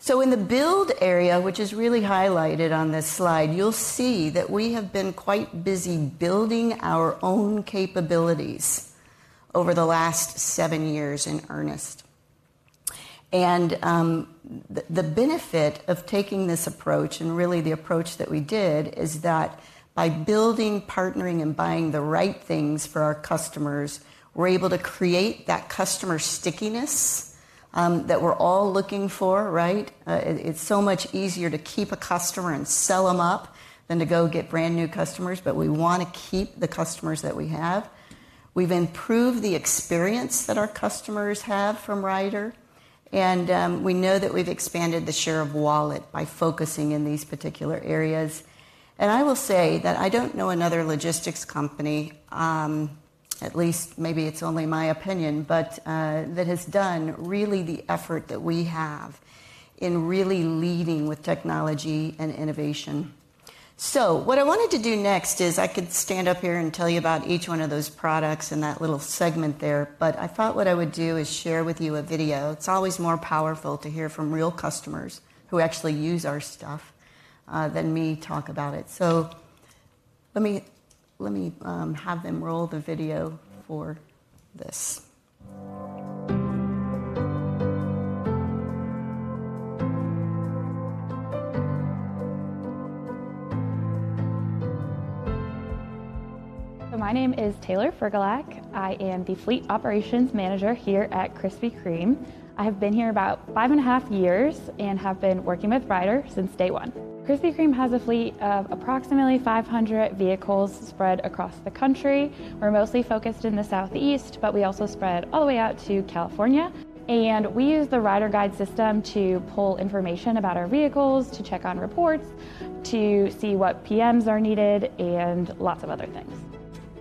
So in the build area, which is really highlighted on this slide, you'll see that we have been quite busy building our own capabilities over the last seven years in earnest. And, the benefit of taking this approach, and really the approach that we did, is that by building, partnering, and buying the right things for our customers, we're able to create that customer stickiness, that we're all looking for, right? It's so much easier to keep a customer and sell them up than to go get brand-new customers, but we want to keep the customers that we have. We've improved the experience that our customers have from Ryder, and, we know that we've expanded the share of wallet by focusing in these particular areas. And I will say that I don't know another logistics company, at least maybe it's only my opinion, but, that has done really the effort that we have in really leading with technology and innovation. So what I wanted to do next is I could stand up here and tell you about each one of those products and that little segment there, but I thought what I would do is share with you a video. It's always more powerful to hear from real customers who actually use our stuff than me talk about it. So let me, let me, have them roll the video for this. My name is Taylor Ferlak. I am the fleet operations manager here at Krispy Kreme. I have been here about 5.5 years and have been working with Ryder since day one. Krispy Kreme has a fleet of approximately 500 vehicles spread across the country. We're mostly focused in the Southeast, but we also spread all the way out to California, and we use the RyderGyde system to pull information about our vehicles, to check on reports, to see what PMs are needed, and lots of other things.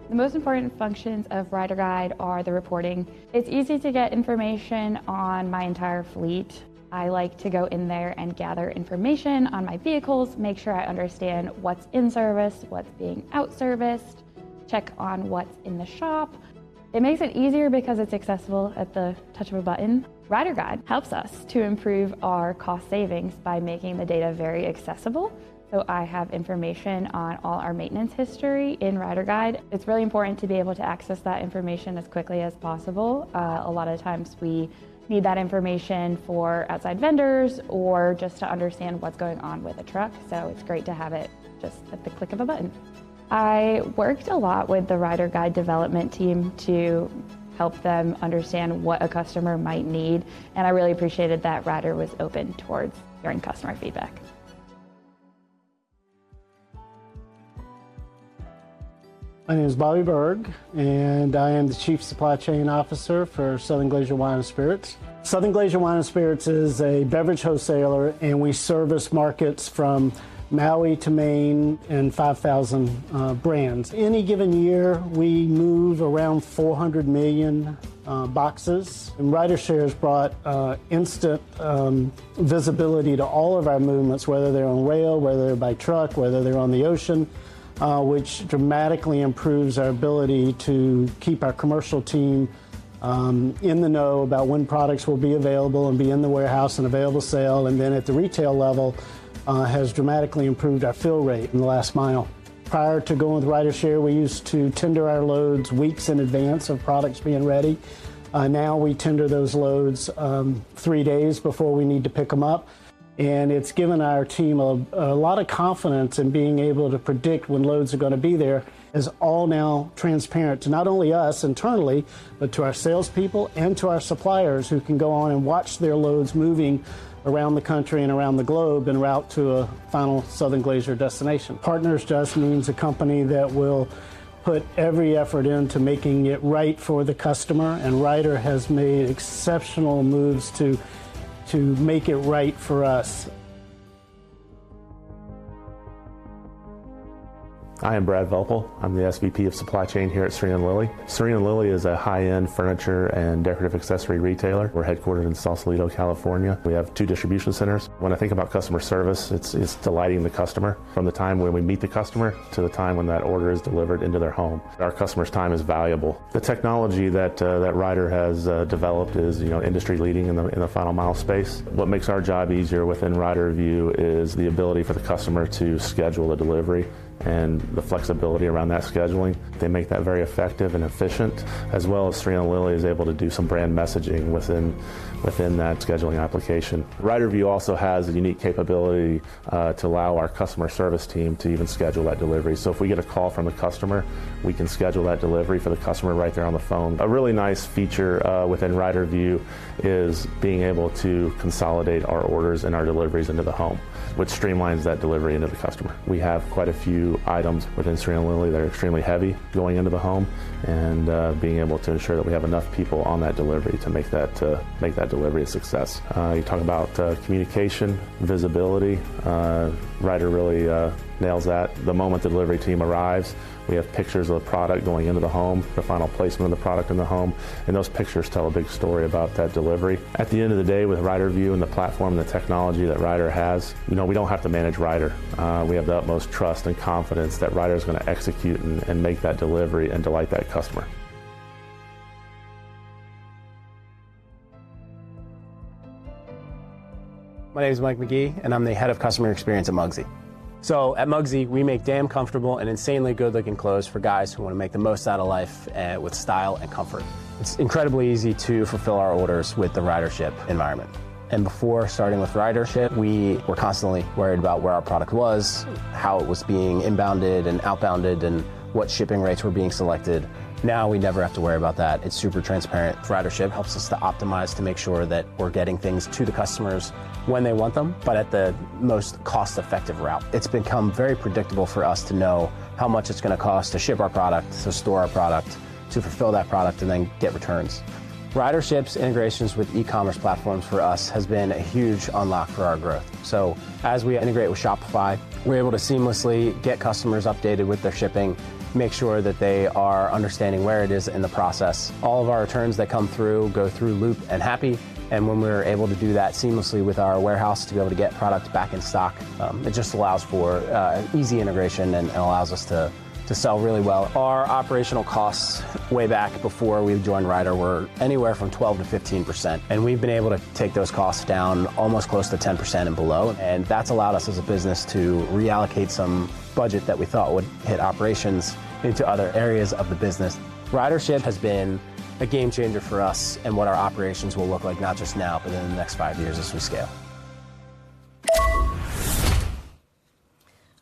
The most important functions of RyderGyde are the reporting. It's easy to get information on my entire fleet. I like to go in there and gather information on my vehicles, make sure I understand what's in service, what's being out of service, check on what's in the shop. It makes it easier because it's accessible at the touch of a button. RyderGyde helps us to improve our cost savings by making the data very accessible, so I have information on all our maintenance history in RyderGyde. It's really important to be able to access that information as quickly as possible. A lot of the times we need that information for outside vendors or just to understand what's going on with a truck, so it's great to have it just at the click of a button. I worked a lot with the RyderGyde development team to help them understand what a customer might need, and I really appreciated that Ryder was open towards hearing customer feedback. My name is Bobby Burg, and I am the Chief Supply Chain Officer for Southern Glazer's Wine & Spirits. Southern Glazer's Wine & Spirits is a beverage wholesaler, and we service markets from Maui to Maine and 5,000 brands. In any given year, we move around 400 million boxes, and RyderShare has brought instant visibility to all of our movements, whether they're on rail, whether they're by truck, whether they're on the ocean, which dramatically improves our ability to keep our commercial team in the know about when products will be available and be in the warehouse and available for sale, and then at the retail level has dramatically improved our fill rate in the last mile. Prior to going with RyderShare, we used to tender our loads weeks in advance of products being ready. Now we tender those loads three days before we need to pick them up, and it's given our team a lot of confidence in being able to predict when loads are going to be there. It's all now transparent to not only us internally, but to our salespeople and to our suppliers, who can go on and watch their loads moving around the country and around the globe en route to a final Southern Glazer's destination. Partners just means a company that will put every effort into making it right for the customer, and Ryder has made exceptional moves to make it right for us. I am Brad Velpel. I'm the SVP of supply chain here at Serena & Lily. Serena & Lily is a high-end furniture and decorative accessory retailer. We're headquartered in Sausalito, California. We have two distribution centers. When I think about customer service, it's delighting the customer from the time when we meet the customer to the time when that order is delivered into their home. Our customer's time is valuable. The technology that Ryder has developed is, you know, industry-leading in the final mile space. What makes our job easier within RyderView is the ability for the customer to schedule a delivery, and the flexibility around that scheduling. They make that very effective and efficient, as well as Serena & Lily is able to do some brand messaging within that scheduling application. RyderView also has a unique capability, to allow our customer service team to even schedule that delivery. So if we get a call from a customer, we can schedule that delivery for the customer right there on the phone. A really nice feature, within RyderView is being able to consolidate our orders and our deliveries into the home, which streamlines that delivery into the customer. We have quite a few items within Serena & Lily that are extremely heavy going into the home, and, being able to ensure that we have enough people on that delivery to make that, make that delivery a success. You talk about, communication, visibility, Ryder really, nails that. The moment the delivery team arrives, we have pictures of the product going into the home, the final placement of the product in the home, and those pictures tell a big story about that delivery. At the end of the day, with RyderView and the platform, the technology that Ryder has, you know, we don't have to manage Ryder. We have the utmost trust and confidence that Ryder is going to execute and make that delivery and delight that customer. My name is Mike McGee, and I'm the head of customer experience at Mugsy. So at Mugsy, we make damn comfortable and insanely good-looking clothes for guys who want to make the most out of life with style and comfort. It's incredibly easy to fulfill our orders with the RyderShip environment. Before starting with RyderShip, we were constantly worried about where our product was, how it was being inbounded and outbounded, and what shipping rates were being selected. Now, we never have to worry about that. It's super transparent. RyderShip helps us to optimize, to make sure that we're getting things to the customers when they want them, but at the most cost-effective route. It's become very predictable for us to know how much it's going to cost to ship our product, to store our product, to fulfill that product, and then get returns. RyderShip's integrations with e-commerce platforms for us has been a huge unlock for our growth. So as we integrate with Shopify, we're able to seamlessly get customers updated with their shipping, make sure that they are understanding where it is in the process. All of our returns that come through go through Loop and Happy, and when we're able to do that seamlessly with our warehouse to be able to get product back in stock, it just allows for easy integration and allows us to sell really well. Our operational costs way back before we joined Ryder were anywhere from 12%-15%, and we've been able to take those costs down almost close to 10% and below. And that's allowed us as a business to reallocate some budget that we thought would hit operations into other areas of the business. RyderShip has been a game changer for us and what our operations will look like, not just now, but in the next five years as we scale.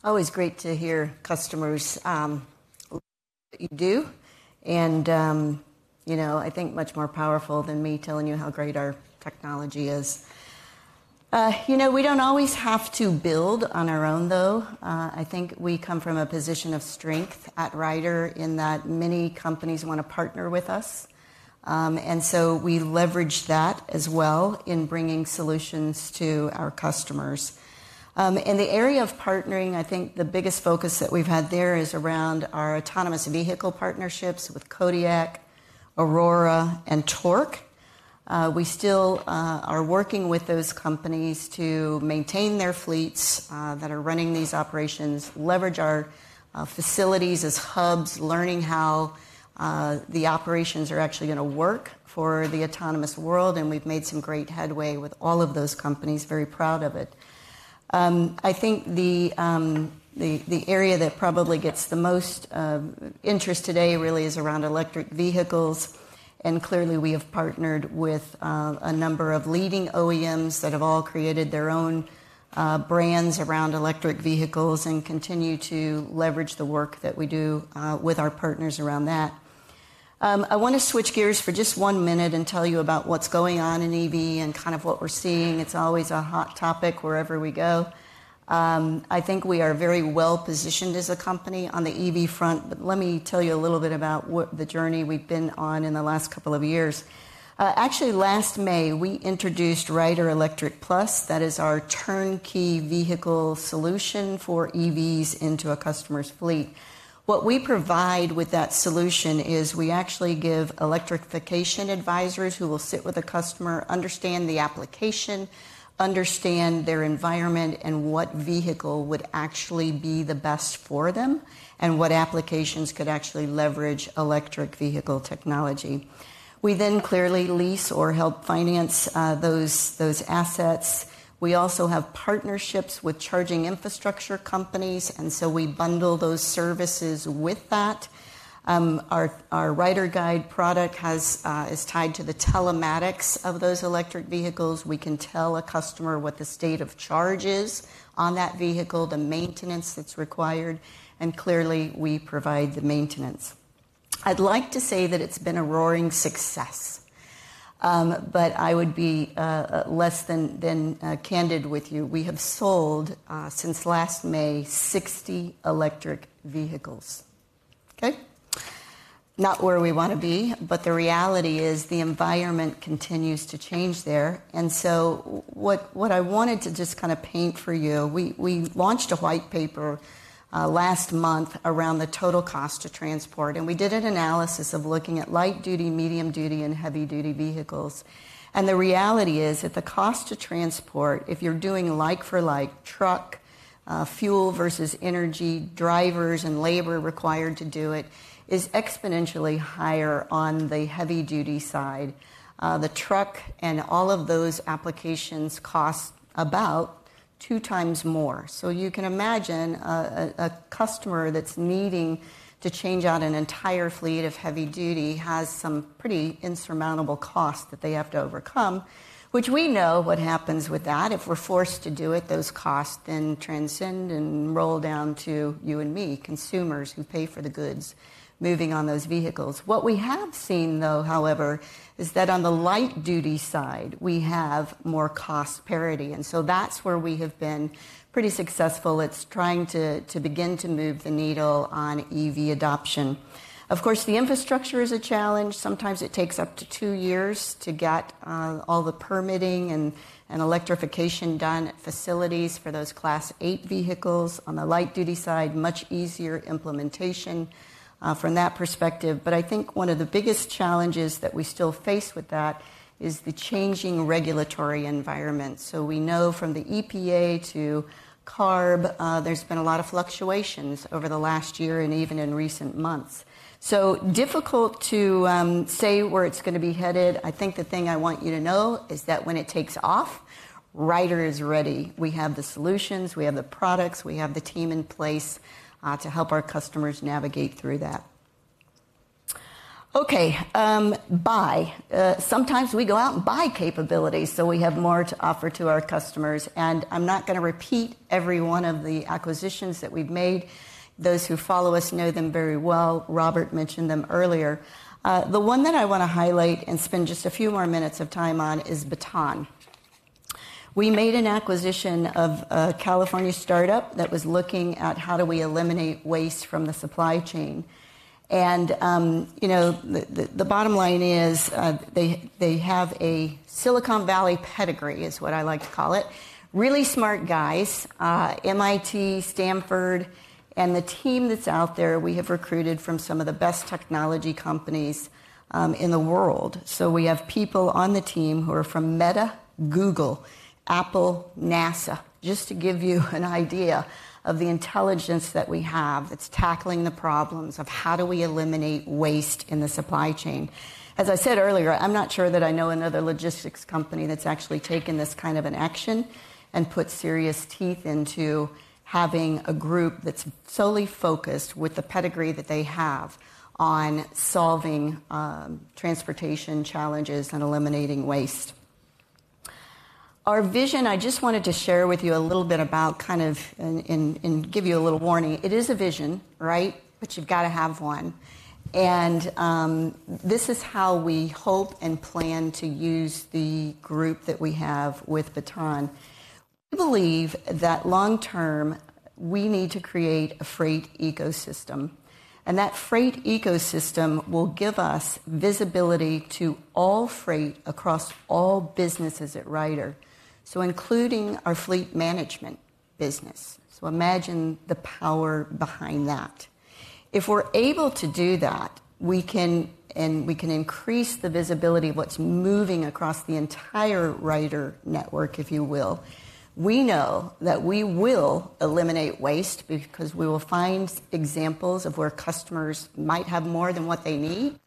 Always great to hear customers, you do, and, you know, I think much more powerful than me telling you how great our technology is. You know, we don't always have to build on our own, though. I think we come from a position of strength at Ryder, in that many companies want to partner with us. And so we leverage that as well in bringing solutions to our customers. In the area of partnering, I think the biggest focus that we've had there is around our autonomous vehicle partnerships with Kodiak, Aurora, and Torc. We still are working with those companies to maintain their fleets that are running these operations, leverage our facilities as hubs, learning how the operations are actually going to work for the autonomous world, and we've made some great headway with all of those companies. Very proud of it. I think the area that probably gets the most interest today really is around electric vehicles, and clearly, we have partnered with a number of leading OEMs that have all created their own brands around electric vehicles and continue to leverage the work that we do with our partners around that. I want to switch gears for just one minute and tell you about what's going on in EV and kind of what we're seeing. It's always a hot topic wherever we go. I think we are very well-positioned as a company on the EV front, but let me tell you a little bit about what the journey we've been on in the last couple of years. Actually, last May, we introduced RyderElectric+. That is our turnkey vehicle solution for EVs into a customer's fleet. What we provide with that solution is we actually give electrification advisors who will sit with a customer, understand the application, understand their environment, and what vehicle would actually be the best for them, and what applications could actually leverage electric vehicle technology. We then clearly lease or help finance those assets. We also have partnerships with charging infrastructure companies, and so we bundle those services with that. Our RyderGyde product is tied to the telematics of those electric vehicles. We can tell a customer what the state of charge is on that vehicle, the maintenance that's required, and clearly, we provide the maintenance. I'd like to say that it's been a roaring success, but I would be less than candid with you. We have sold, since last May, 60 electric vehicles. Okay? Not where we want to be, but the reality is the environment continues to change there. And so what, what I wanted to just kind of paint for you, we, we launched a white paper, last month around the total cost to transport, and we did an analysis of looking at light-duty, medium-duty, and heavy-duty vehicles. And the reality is that the cost to transport, if you're doing like for like, truck, fuel versus energy, drivers and labor required to do it, is exponentially higher on the heavy-duty side. The truck and all of those applications cost about two times more. So you can imagine a customer that's needing to change out an entire fleet of heavy duty has some pretty insurmountable costs that they have to overcome, which we know what happens with that. If we're forced to do it, those costs then transcend and roll down to you and me, consumers who pay for the goods moving on those vehicles. What we have seen, though, however, is that on the light-duty side, we have more cost parity, and so that's where we have been pretty successful. It's trying to begin to move the needle on EV adoption. Of course, the infrastructure is a challenge. Sometimes it takes up to two years to get all the permitting and electrification done at facilities for those Class 8 vehicles. On the light-duty side, much easier implementation, from that perspective. But I think one of the biggest challenges that we still face with that is the changing regulatory environment. So we know from the EPA to CARB, there's been a lot of fluctuations over the last year and even in recent months. So difficult to say where it's going to be headed. I think the thing I want you to know is that when it takes off, Ryder is ready. We have the solutions, we have the products, we have the team in place to help our customers navigate through that. Okay, buy. Sometimes we go out and buy capabilities, so we have more to offer to our customers, and I'm not going to repeat every one of the acquisitions that we've made. Those who follow us know them very well. Robert mentioned them earlier. The one that I want to highlight and spend just a few more minutes of time on is Baton. We made an acquisition of a California start-up that was looking at how do we eliminate waste from the supply chain, and, you know, the bottom line is, they have a Silicon Valley pedigree, is what I like to call it. Really smart guys, MIT, Stanford, and the team that's out there, we have recruited from some of the best technology companies, in the world. So we have people on the team who are from Meta, Google, Apple, NASA, just to give you an idea of the intelligence that we have that's tackling the problems of how do we eliminate waste in the supply chain. As I said earlier, I'm not sure that I know another logistics company that's actually taken this kind of an action and put serious teeth into having a group that's solely focused with the pedigree that they have on solving transportation challenges and eliminating waste. Our vision, I just wanted to share with you a little bit about kind of and give you a little warning. It is a vision, right? But you've got to have one. And this is how we hope and plan to use the group that we have with Baton. We believe that long term, we need to create a freight ecosystem, and that freight ecosystem will give us visibility to all freight across all businesses at Ryder, so including our fleet management business. So imagine the power behind that. If we're able to do that, we can increase the visibility of what's moving across the entire Ryder network, if you will. We know that we will eliminate waste because we will find examples of where customers might have more than what they need,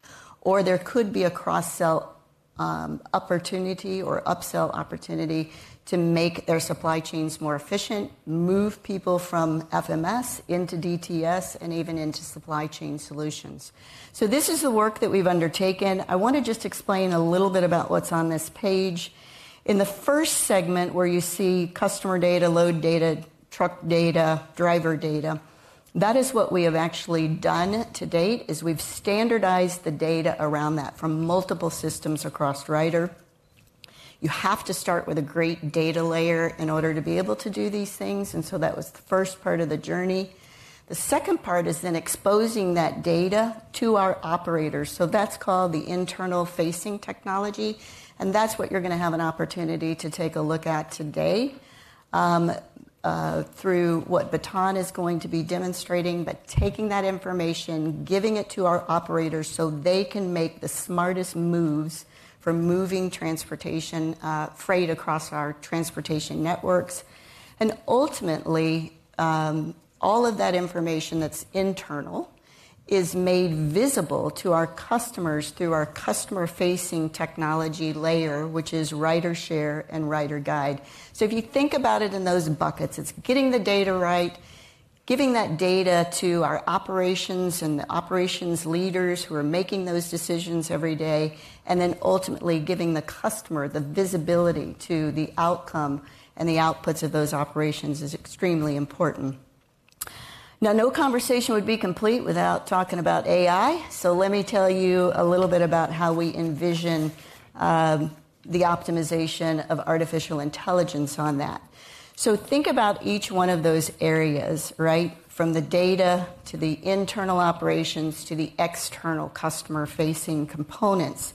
or there could be a cross-sell opportunity or upsell opportunity to make their supply chains more efficient, move people from FMS into DTS, and even into supply chain solutions. So this is the work that we've undertaken. I want to just explain a little bit about what's on this page. In the first segment, where you see customer data, load data, truck data, driver data, that is what we have actually done to date, is we've standardized the data around that from multiple systems across Ryder. You have to start with a great data layer in order to be able to do these things, and so that was the first part of the journey. The second part is then exposing that data to our operators, so that's called the internal-facing technology, and that's what you're going to have an opportunity to take a look at today, through what Baton is going to be demonstrating. But taking that information, giving it to our operators, so they can make the smartest moves for moving transportation, freight across our transportation networks. And ultimately, all of that information that's internal is made visible to our customers through our customer-facing technology layer, which is RyderShare and RyderGyde. So if you think about it in those buckets, it's getting the data right...... giving that data to our operations and the operations leaders who are making those decisions every day, and then ultimately giving the customer the visibility to the outcome and the outputs of those operations is extremely important. Now, no conversation would be complete without talking about AI, so let me tell you a little bit about how we envision the optimization of artificial intelligence on that. So think about each one of those areas, right? From the data to the internal operations, to the external customer-facing components.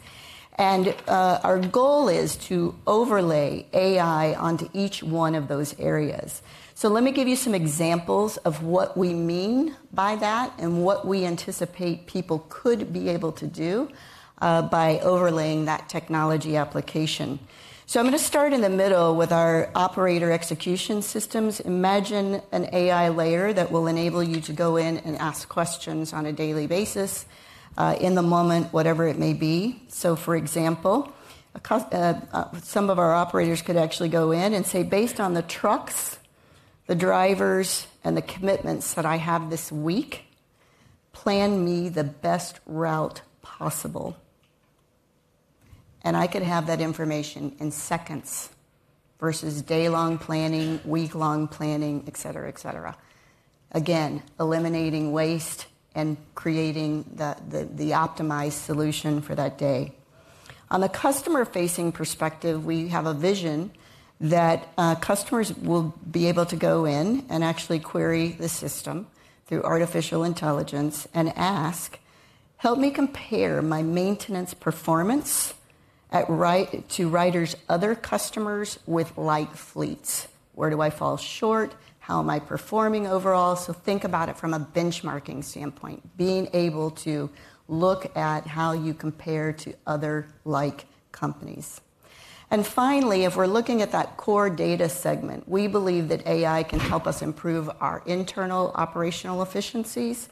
And our goal is to overlay AI onto each one of those areas. So let me give you some examples of what we mean by that and what we anticipate people could be able to do by overlaying that technology application. So I'm going to start in the middle with our operator execution systems. Imagine an AI layer that will enable you to go in and ask questions on a daily basis, in the moment, whatever it may be. So, for example, some of our operators could actually go in and say, "Based on the trucks, the drivers, and the commitments that I have this week, plan me the best route possible." And I could have that information in seconds versus day-long planning, week-long planning, et cetera, et cetera. Again, eliminating waste and creating the optimized solution for that day. On the customer-facing perspective, we have a vision that, customers will be able to go in and actually query the system through artificial intelligence and ask: "Help me compare my maintenance performance at Ryder to Ryder's other customers with like fleets. Where do I fall short? How am I performing overall?" So think about it from a benchmarking standpoint, being able to look at how you compare to other like companies. And finally, if we're looking at that core data segment, we believe that AI can help us improve our internal operational efficiencies.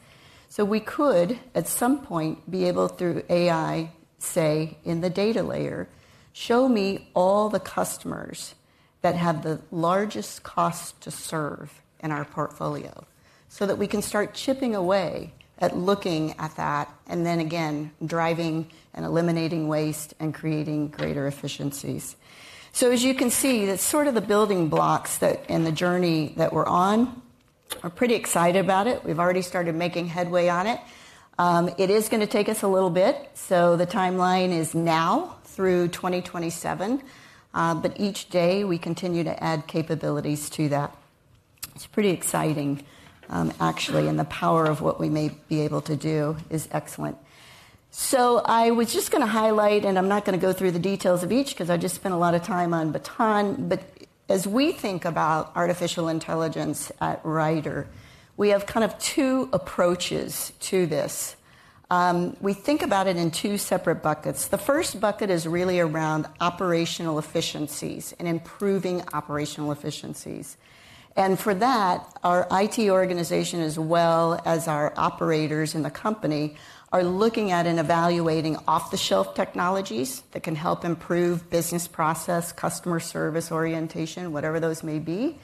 So we could, at some point, be able, through AI, say, in the data layer, "Show me all the customers that have the largest cost to serve in our portfolio," so that we can start chipping away at looking at that, and then again, driving and eliminating waste and creating greater efficiencies. So as you can see, that's sort of the building blocks that and the journey that we're on. We're pretty excited about it. We've already started making headway on it. It is going to take us a little bit, so the timeline is now through 2027, but each day we continue to add capabilities to that. It's pretty exciting, actually, and the power of what we may be able to do is excellent. So I was just going to highlight, and I'm not going to go through the details of each because I just spent a lot of time on Baton, but as we think about artificial intelligence at Ryder, we have kind of two approaches to this. We think about it in two separate buckets. The first bucket is really around operational efficiencies and improving operational efficiencies. And for that, our IT organization, as well as our operators in the company, are looking at and evaluating off-the-shelf technologies that can help improve business process, customer service orientation, whatever those may be.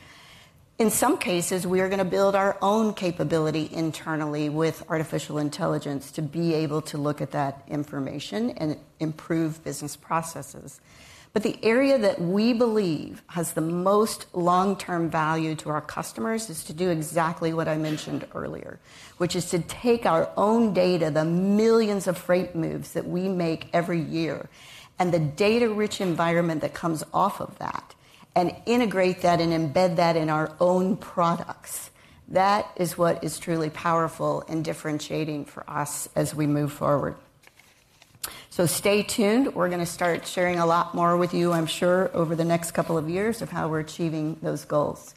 In some cases, we are going to build our own capability internally with artificial intelligence to be able to look at that information and improve business processes. But the area that we believe has the most long-term value to our customers is to do exactly what I mentioned earlier, which is to take our own data, the millions of freight moves that we make every year, and the data-rich environment that comes off of that, and integrate that and embed that in our own products. That is what is truly powerful and differentiating for us as we move forward. So stay tuned. We're going to start sharing a lot more with you, I'm sure, over the next couple of years of how we're achieving those goals.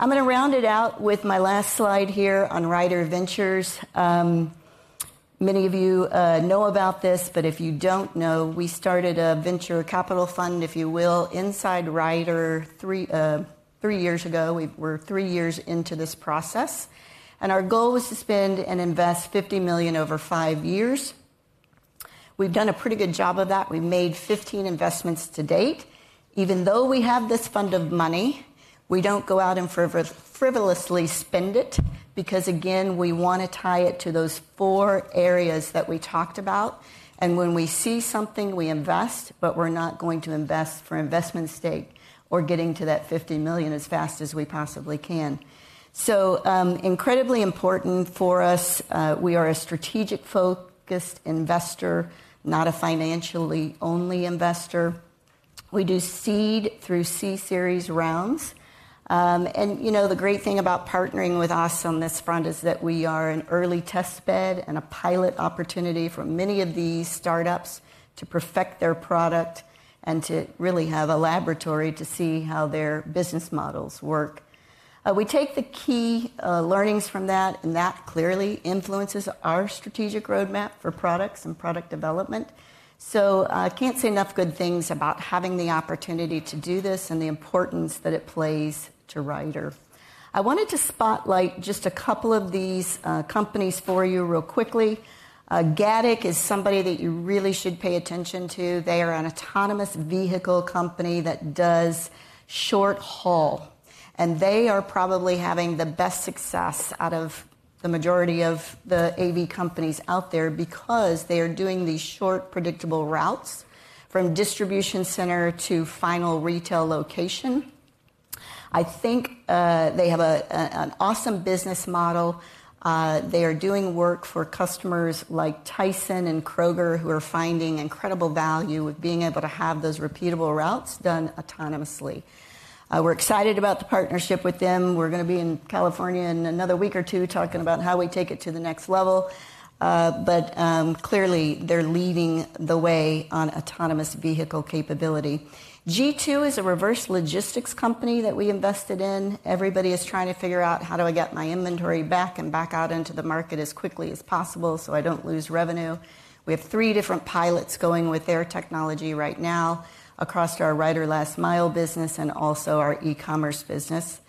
I'm going to round it out with my last slide here on Ryder Ventures. Many of you know about this, but if you don't know, we started a venture capital fund, if you will, inside Ryder three years ago. We're three years into this process, and our goal was to spend and invest $50 million over five years. We've done a pretty good job of that. We've made 15 investments to date. Even though we have this fund of money, we don't go out and frivolously spend it, because again, we want to tie it to those four areas that we talked about, and when we see something, we invest, but we're not going to invest for investment's sake or getting to that $50 million as fast as we possibly can. Incredibly important for us, we are a strategic-focused investor, not a financially-only investor. We do seed through C series rounds. You know, the great thing about partnering with us on this front is that we are an early test bed and a pilot opportunity for many of these startups to perfect their product and to really have a laboratory to see how their business models work. We take the key learnings from that, and that clearly influences our strategic roadmap for products and product development. So I can't say enough good things about having the opportunity to do this and the importance that it plays to Ryder. I wanted to spotlight just a couple of these companies for you real quickly. Gatik is somebody that you really should pay attention to. They are an autonomous vehicle company that does short haul. They are probably having the best success out of the majority of the AV companies out there because they are doing these short, predictable routes from distribution center to final retail location. I think, they have a, an, an awesome business model. They are doing work for customers like Tyson and Kroger, who are finding incredible value with being able to have those repeatable routes done autonomously. We're excited about the partnership with them. We're going to be in California in another week or two, talking about how we take it to the next level. But, clearly, they're leading the way on autonomous vehicle capability. G2 is a reverse logistics company that we invested in. Everybody is trying to figure out, how do I get my inventory back and back out into the market as quickly as possible so I don't lose revenue? We have three different pilots going with their technology right now across our Ryder Last Mile business and also our e-commerce business.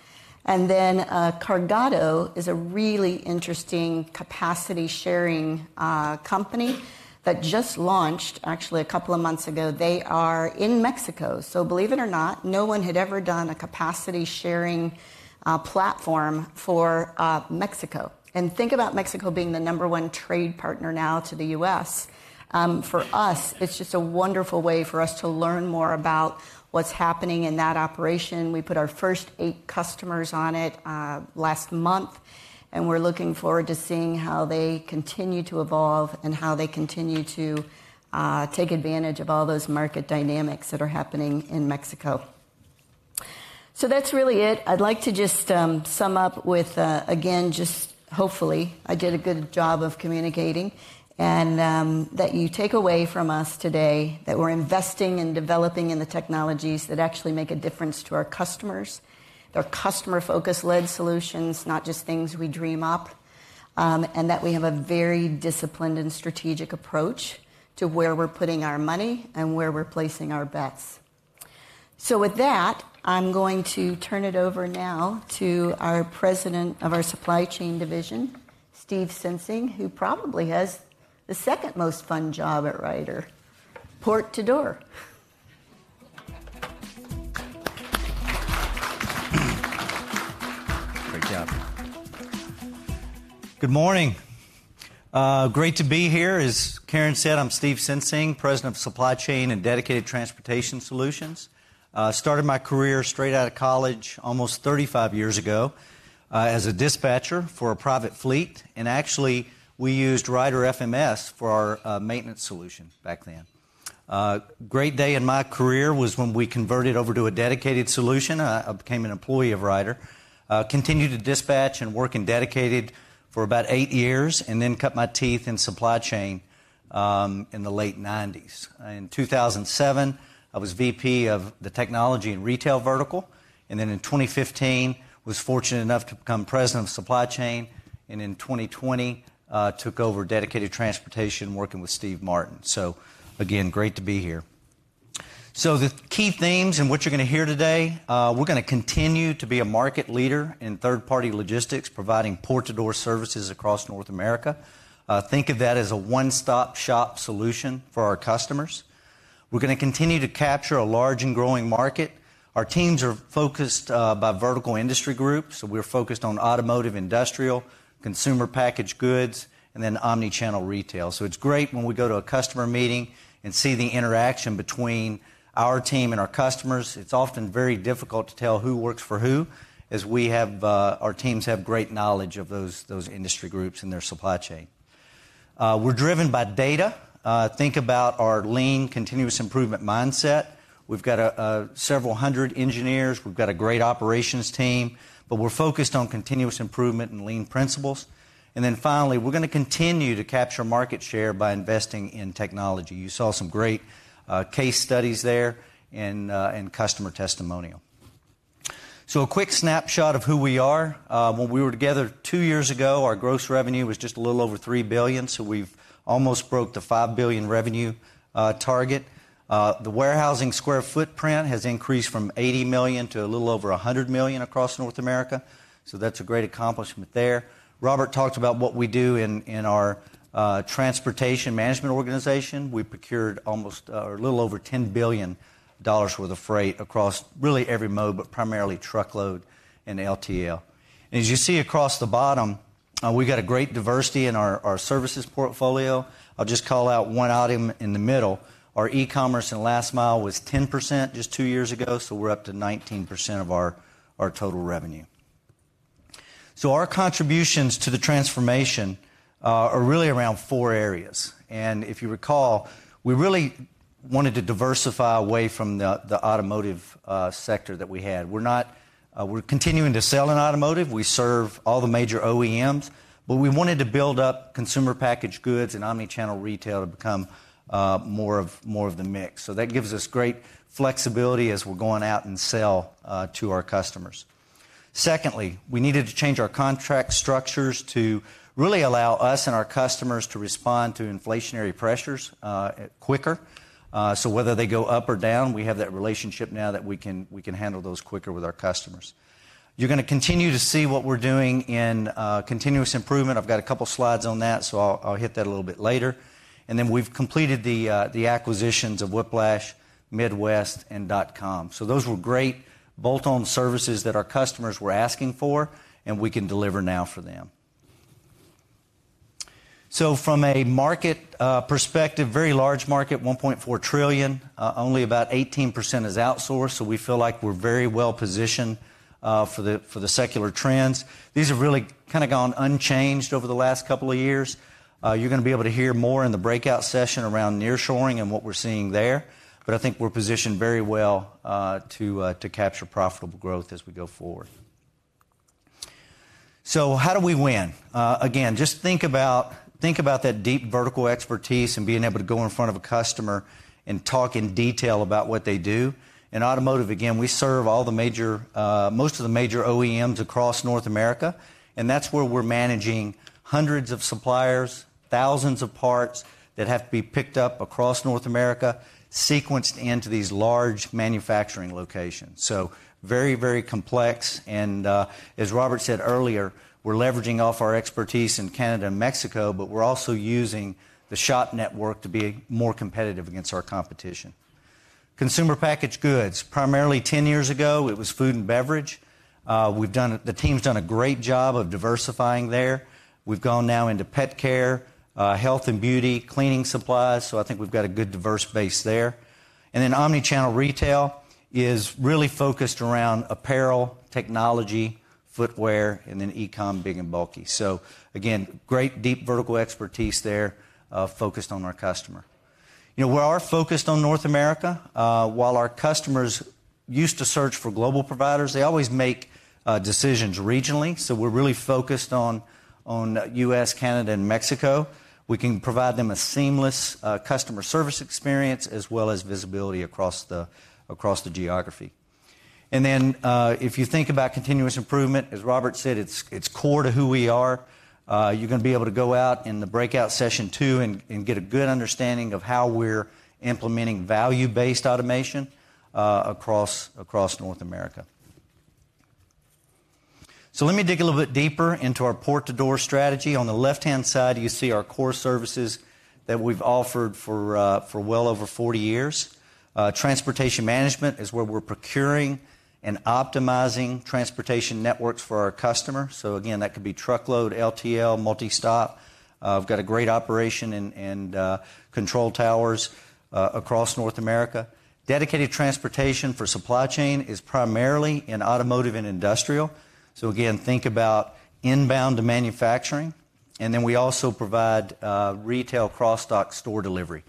Then, Cargado is a really interesting capacity-sharing company that just launched actually a couple of months ago. They are in Mexico, so believe it or not, no one had ever done a capacity-sharing platform for Mexico. Think about Mexico being the number one trade partner now to the U.S. For us, it's just a wonderful way for us to learn more about what's happening in that operation. We put our first eight customers on it last month, and we're looking forward to seeing how they continue to evolve and how they continue to take advantage of all those market dynamics that are happening in Mexico. That's really it. I'd like to just sum up with again, just hopefully I did a good job of communicating, and that you take away from us today, that we're investing and developing in the technologies that actually make a difference to our customers. They're customer-focused-led solutions, not just things we dream up, and that we have a very disciplined and strategic approach to where we're putting our money and where we're placing our bets. So with that, I'm going to turn it over now to our President of our supply chain division, Steve Sensing, who probably has the second most fun job at Ryder, port to door. Great job. Good morning. Great to be here. As Karen said, I'm Steve Sensing, President of Supply Chain and Dedicated Transportation Solutions. Started my career straight out of college almost 35 years ago, as a dispatcher for a private fleet, and actually, we used Ryder FMS for our maintenance solution back then. Great day in my career was when we converted over to a dedicated solution. I became an employee of Ryder. Continued to dispatch and work in Dedicated for about 8 years, and then cut my teeth in supply chain in the late 1990s. In 2007, I was VP of the technology and retail vertical, and then in 2015, was fortunate enough to become President of Supply Chain, and in 2020, took over Dedicated Transportation, working with Steve Martin. So again, great to be here. So the key themes and what you're going to hear today, we're going to continue to be a market leader in third-party logistics, providing Port-to-Door services across North America. Think of that as a one-stop shop solution for our customers. We're going to continue to capture a large and growing market. Our teams are focused by vertical industry groups, so we're focused on automotive, industrial, consumer packaged goods, and then omnichannel retail. So it's great when we go to a customer meeting and see the interaction between our team and our customers. It's often very difficult to tell who works for who, as we have our teams have great knowledge of those industry groups and their supply chain. We're driven by data. Think about our lean, continuous improvement mindset. We've got a several hundred engineers. We've got a great operations team, but we're focused on continuous improvement and lean principles. And then finally, we're going to continue to capture market share by investing in technology. You saw some great, case studies there and, and customer testimonial. So a quick snapshot of who we are. When we were together two years ago, our gross revenue was just a little over $3 billion, so we've almost broke the $5 billion revenue, target. The warehousing square footprint has increased from 80 million to a little over 100 million across North America, so that's a great accomplishment there. Robert talked about what we do in, in our, transportation management organization. We procured almost, or a little over $10 billion worth of freight across really every mode, but primarily truckload and LTL. As you see across the bottom, we've got a great diversity in our, our services portfolio. I'll just call out one item in the middle. Our e-commerce and last mile was 10% just two years ago, so we're up to 19% of our, our total revenue. So our contributions to the transformation are really around four areas, and if you recall, we really wanted to diversify away from the, the automotive sector that we had. We're not. We're continuing to sell in automotive. We serve all the major OEMs, but we wanted to build up consumer packaged goods and omnichannel retail to become more of, more of the mix. So that gives us great flexibility as we're going out and sell to our customers. Secondly, we needed to change our contract structures to really allow us and our customers to respond to inflationary pressures quicker. So whether they go up or down, we have that relationship now that we can handle those quicker with our customers. You're going to continue to see what we're doing in continuous improvement. I've got a couple of slides on that, so I'll hit that a little bit later. And then we've completed the acquisitions of Whiplash, Midwest, and Dotcom. So those were great bolt-on services that our customers were asking for, and we can deliver now for them. So from a market perspective, very large market, $1.4 trillion, only about 18% is outsourced, so we feel like we're very well positioned for the secular trends. These have really kind of gone unchanged over the last couple of years. You're going to be able to hear more in the breakout session around nearshoring and what we're seeing there, but I think we're positioned very well to capture profitable growth as we go forward. So how do we win? Again, just think about, think about that deep vertical expertise and being able to go in front of a customer and talk in detail about what they do. In automotive, again, we serve most of the major OEMs across North America, and that's where we're managing hundreds of suppliers, thousands of parts that have to be picked up across North America, sequenced into these large manufacturing locations. So very, very complex, and, as Robert said earlier, we're leveraging off our expertise in Canada and Mexico, but we're also using the shop network to be more competitive against our competition. Consumer packaged goods. Primarily, 10 years ago, it was food and beverage. The team's done a great job of diversifying there. We've gone now into pet care, health and beauty, cleaning supplies, so I think we've got a good, diverse base there. And then omni-channel retail is really focused around apparel, technology, footwear, and then e-com, big and bulky. So again, great deep vertical expertise there, focused on our customer. You know, we are focused on North America. While our customers used to search for global providers, they always make decisions regionally, so we're really focused on US, Canada, and Mexico. We can provide them a seamless, customer service experience, as well as visibility across the, across the geography. And then, if you think about continuous improvement, as Robert said, it's, it's core to who we are. You're going to be able to go out in the breakout session two and, and get a good understanding of how we're implementing value-based automation, across, across North America. So let me dig a little bit deeper into our port-to-door strategy. On the left-hand side, you see our core services that we've offered for, for well over 40 years. Transportation management is where we're procuring and optimizing transportation networks for our customers. So again, that could be truckload, LTL, multi-stop. We've got a great operation and, and, control towers across North America. Dedicated transportation for supply chain is primarily in automotive and industrial. So again, think about inbound to manufacturing, and then we also provide retail cross-dock store delivery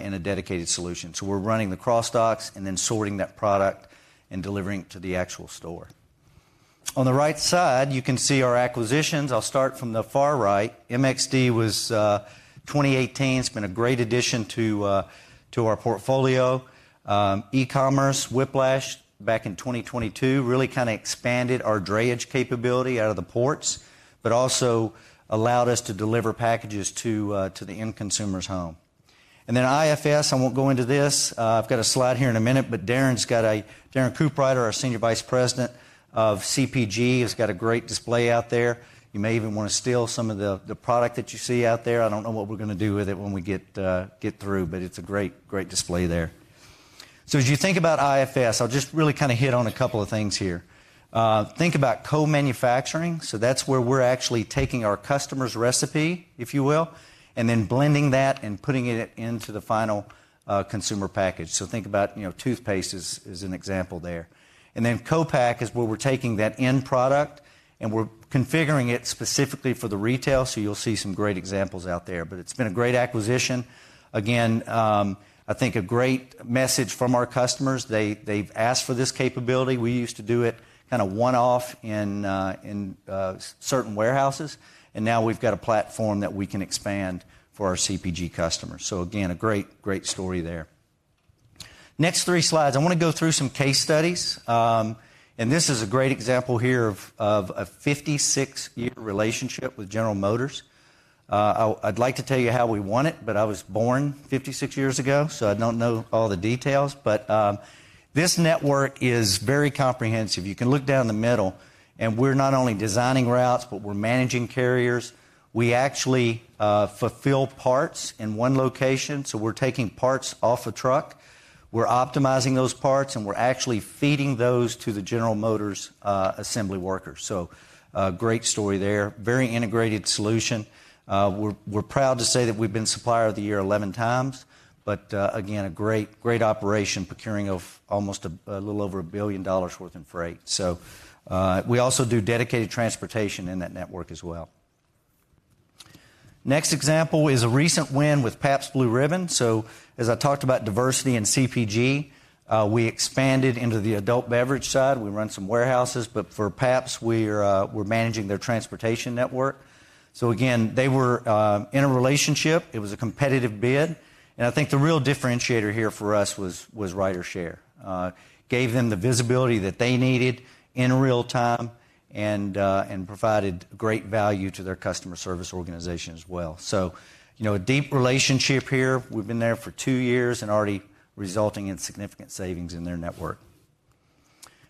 in a dedicated solution. So we're running the cross docks and then sorting that product and delivering it to the actual store. On the right side, you can see our acquisitions. I'll start from the far right. MXD was 2018. It's been a great addition to our portfolio. E-commerce, Whiplash, back in 2022, really kinda expanded our drayage capability out of the ports, but also allowed us to deliver packages to the end consumer's home. And then IFS, I won't go into this. I've got a slide here in a minute, but Darren's got a... Darren Cooprider, our Senior Vice President of CPG, has got a great display out there. You may even want to steal some of the product that you see out there. I don't know what we're going to do with it when we get through, but it's a great, great display there. So as you think about IFS, I'll just really kind of hit on a couple of things here. Think about co-manufacturing. So that's where we're actually taking our customer's recipe, if you will, and then blending that and putting it into the final consumer package. So think about, you know, toothpaste as an example there. And then co-pack is where we're taking that end product, and we're configuring it specifically for the retail, so you'll see some great examples out there, but it's been a great acquisition. Again, I think a great message from our customers. They've asked for this capability. We used to do it kind of one-off in certain warehouses, and now we've got a platform that we can expand for our CPG customers. So again, a great, great story there. Next three slides, I want to go through some case studies. And this is a great example here of a 56-year relationship with General Motors. I'd like to tell you how we won it, but I was born 56 years ago, so I don't know all the details. But this network is very comprehensive. You can look down the middle, and we're not only designing routes, but we're managing carriers. We actually fulfill parts in one location, so we're taking parts off a truck, we're optimizing those parts, and we're actually feeding those to the General Motors assembly workers. So, great story there. Very integrated solution. We're proud to say that we've been Supplier of the Year 11 times, but again, a great, great operation, procuring almost a little over $1 billion worth in freight. So we also do dedicated transportation in that network as well. Next example is a recent win with Pabst Blue Ribbon. So as I talked about diversity in CPG, we expanded into the adult beverage side. We run some warehouses, but for Pabst, we're managing their transportation network. So again, they were in a relationship. It was a competitive bid, and I think the real differentiator here for us was RyderShare. Gave them the visibility that they needed in real time and provided great value to their customer service organization as well. So, you know, a deep relationship here. We've been there for two years and already resulting in significant savings in their network.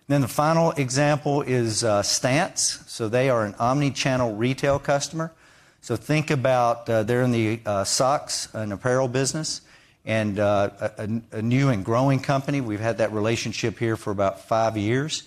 Then the final example is Stance. So they are an omni-channel retail customer. So think about, they're in the socks and apparel business, and a new and growing company. We've had that relationship here for about five years.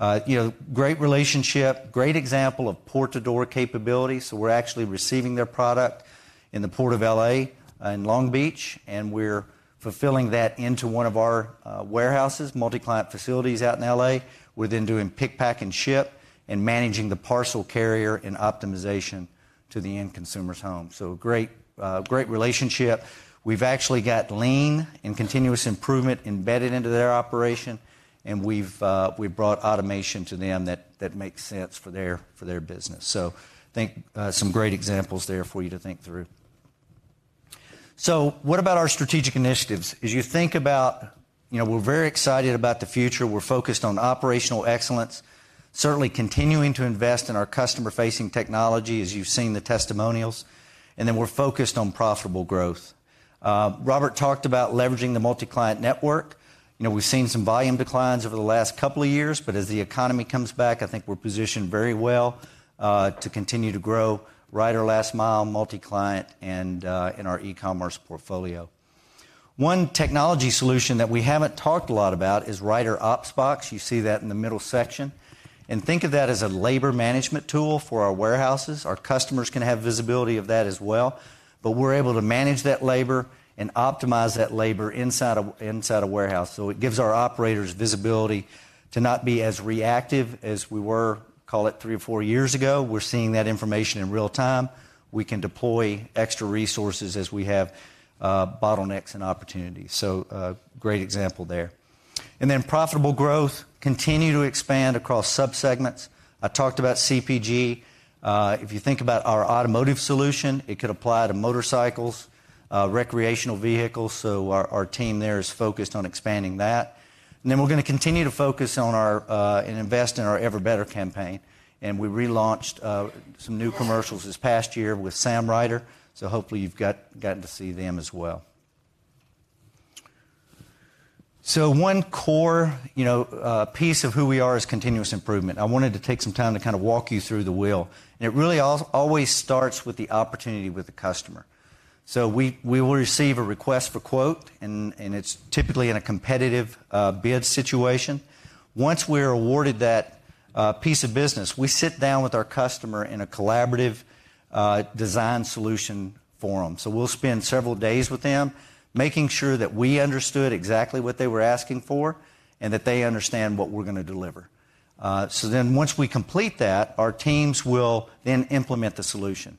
You know, great relationship, great example of port-to-door capability. So we're actually receiving their product in the Port of L.A., in Long Beach, and we're fulfilling that into one of our warehouses, multi-client facilities out in L.A. We're then doing pick, pack, and ship, and managing the parcel carrier and optimization to the end consumer's home. So great, great relationship. We've actually got lean and continuous improvement embedded into their operation, and we've brought automation to them that makes sense for their business. So I think, some great examples there for you to think through. So what about our strategic initiatives? As you think about... You know, we're very excited about the future. We're focused on operational excellence, certainly continuing to invest in our customer-facing technology, as you've seen the testimonials, and then we're focused on profitable growth. Robert talked about leveraging the multi-client network. You know, we've seen some volume declines over the last couple of years, but as the economy comes back, I think we're positioned very well, to continue to grow Ryder Last Mile, multi-client, and, in our e-commerce portfolio. One technology solution that we haven't talked a lot about is RyderOpsBox. You see that in the middle section, and think of that as a labor management tool for our warehouses. Our customers can have visibility of that as well, but we're able to manage that labor and optimize that labor inside a warehouse. So it gives our operators visibility to not be as reactive as we were, call it three or four years ago. We're seeing that information in real time. We can deploy extra resources as we have bottlenecks and opportunities. So, great example there. And then profitable growth, continue to expand across sub-segments. I talked about CPG. If you think about our automotive solution, it could apply to motorcycles, recreational vehicles, so our team there is focused on expanding that. And then we're going to continue to focus on our and invest in our Ever Better campaign, and we relaunched some new commercials this past year with Sam Ryder, so hopefully you've gotten to see them as well. So one core, you know, piece of who we are is continuous improvement. I wanted to take some time to kind of walk you through the wheel, and it really always starts with the opportunity with the customer. So we will receive a request for quote, and it's typically in a competitive bid situation. Once we are awarded that piece of business, we sit down with our customer in a collaborative design solution forum. So we'll spend several days with them, making sure that we understood exactly what they were asking for and that they understand what we're going to deliver. So then once we complete that, our teams will then implement the solution.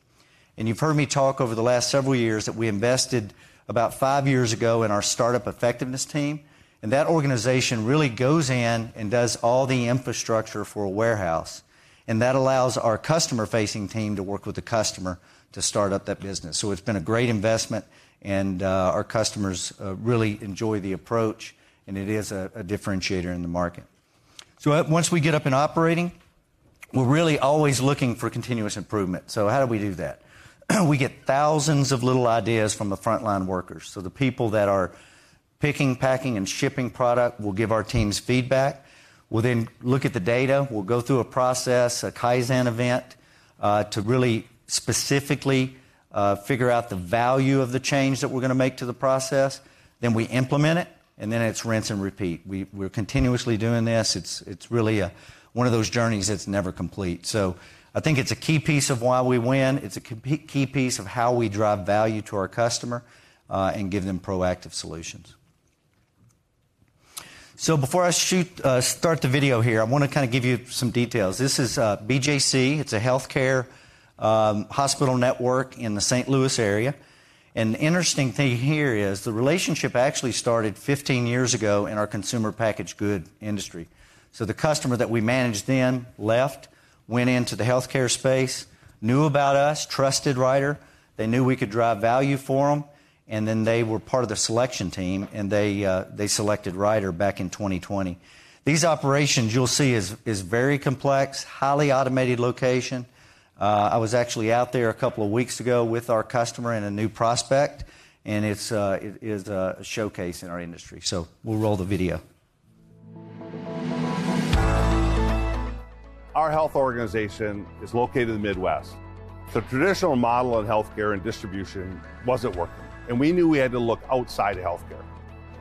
You've heard me talk over the last several years that we invested about five years ago in our startup effectiveness team, and that organization really goes in and does all the infrastructure for a warehouse, and that allows our customer-facing team to work with the customer to start up that business. So it's been a great investment, and our customers really enjoy the approach, and it is a differentiator in the market. So once we get up and operating, we're really always looking for continuous improvement. So how do we do that? We get thousands of little ideas from the frontline workers. So the people that are picking, packing, and shipping product will give our teams feedback. We'll then look at the data. We'll go through a process, a Kaizen event, to really specifically figure out the value of the change that we're going to make to the process. Then we implement it, and then it's rinse and repeat. We're continuously doing this. It's really one of those journeys that's never complete. So I think it's a key piece of why we win. It's a key piece of how we drive value to our customer and give them proactive solutions. So before I start the video here, I want to kind of give you some details. This is BJC. It's a healthcare hospital network in the St. Louis area. And the interesting thing here is the relationship actually started 15 years ago in our consumer packaged goods industry. So the customer that we managed then left, went into the healthcare space, knew about us, trusted Ryder. They knew we could drive value for them, and then they were part of the selection team, and they, they selected Ryder back in 2020. These operations, you'll see, is very complex, highly automated location. I was actually out there a couple of weeks ago with our customer and a new prospect, and it's a showcase in our industry. So we'll roll the video. Our health organization is located in the Midwest. The traditional model of healthcare and distribution wasn't working, and we knew we had to look outside of healthcare,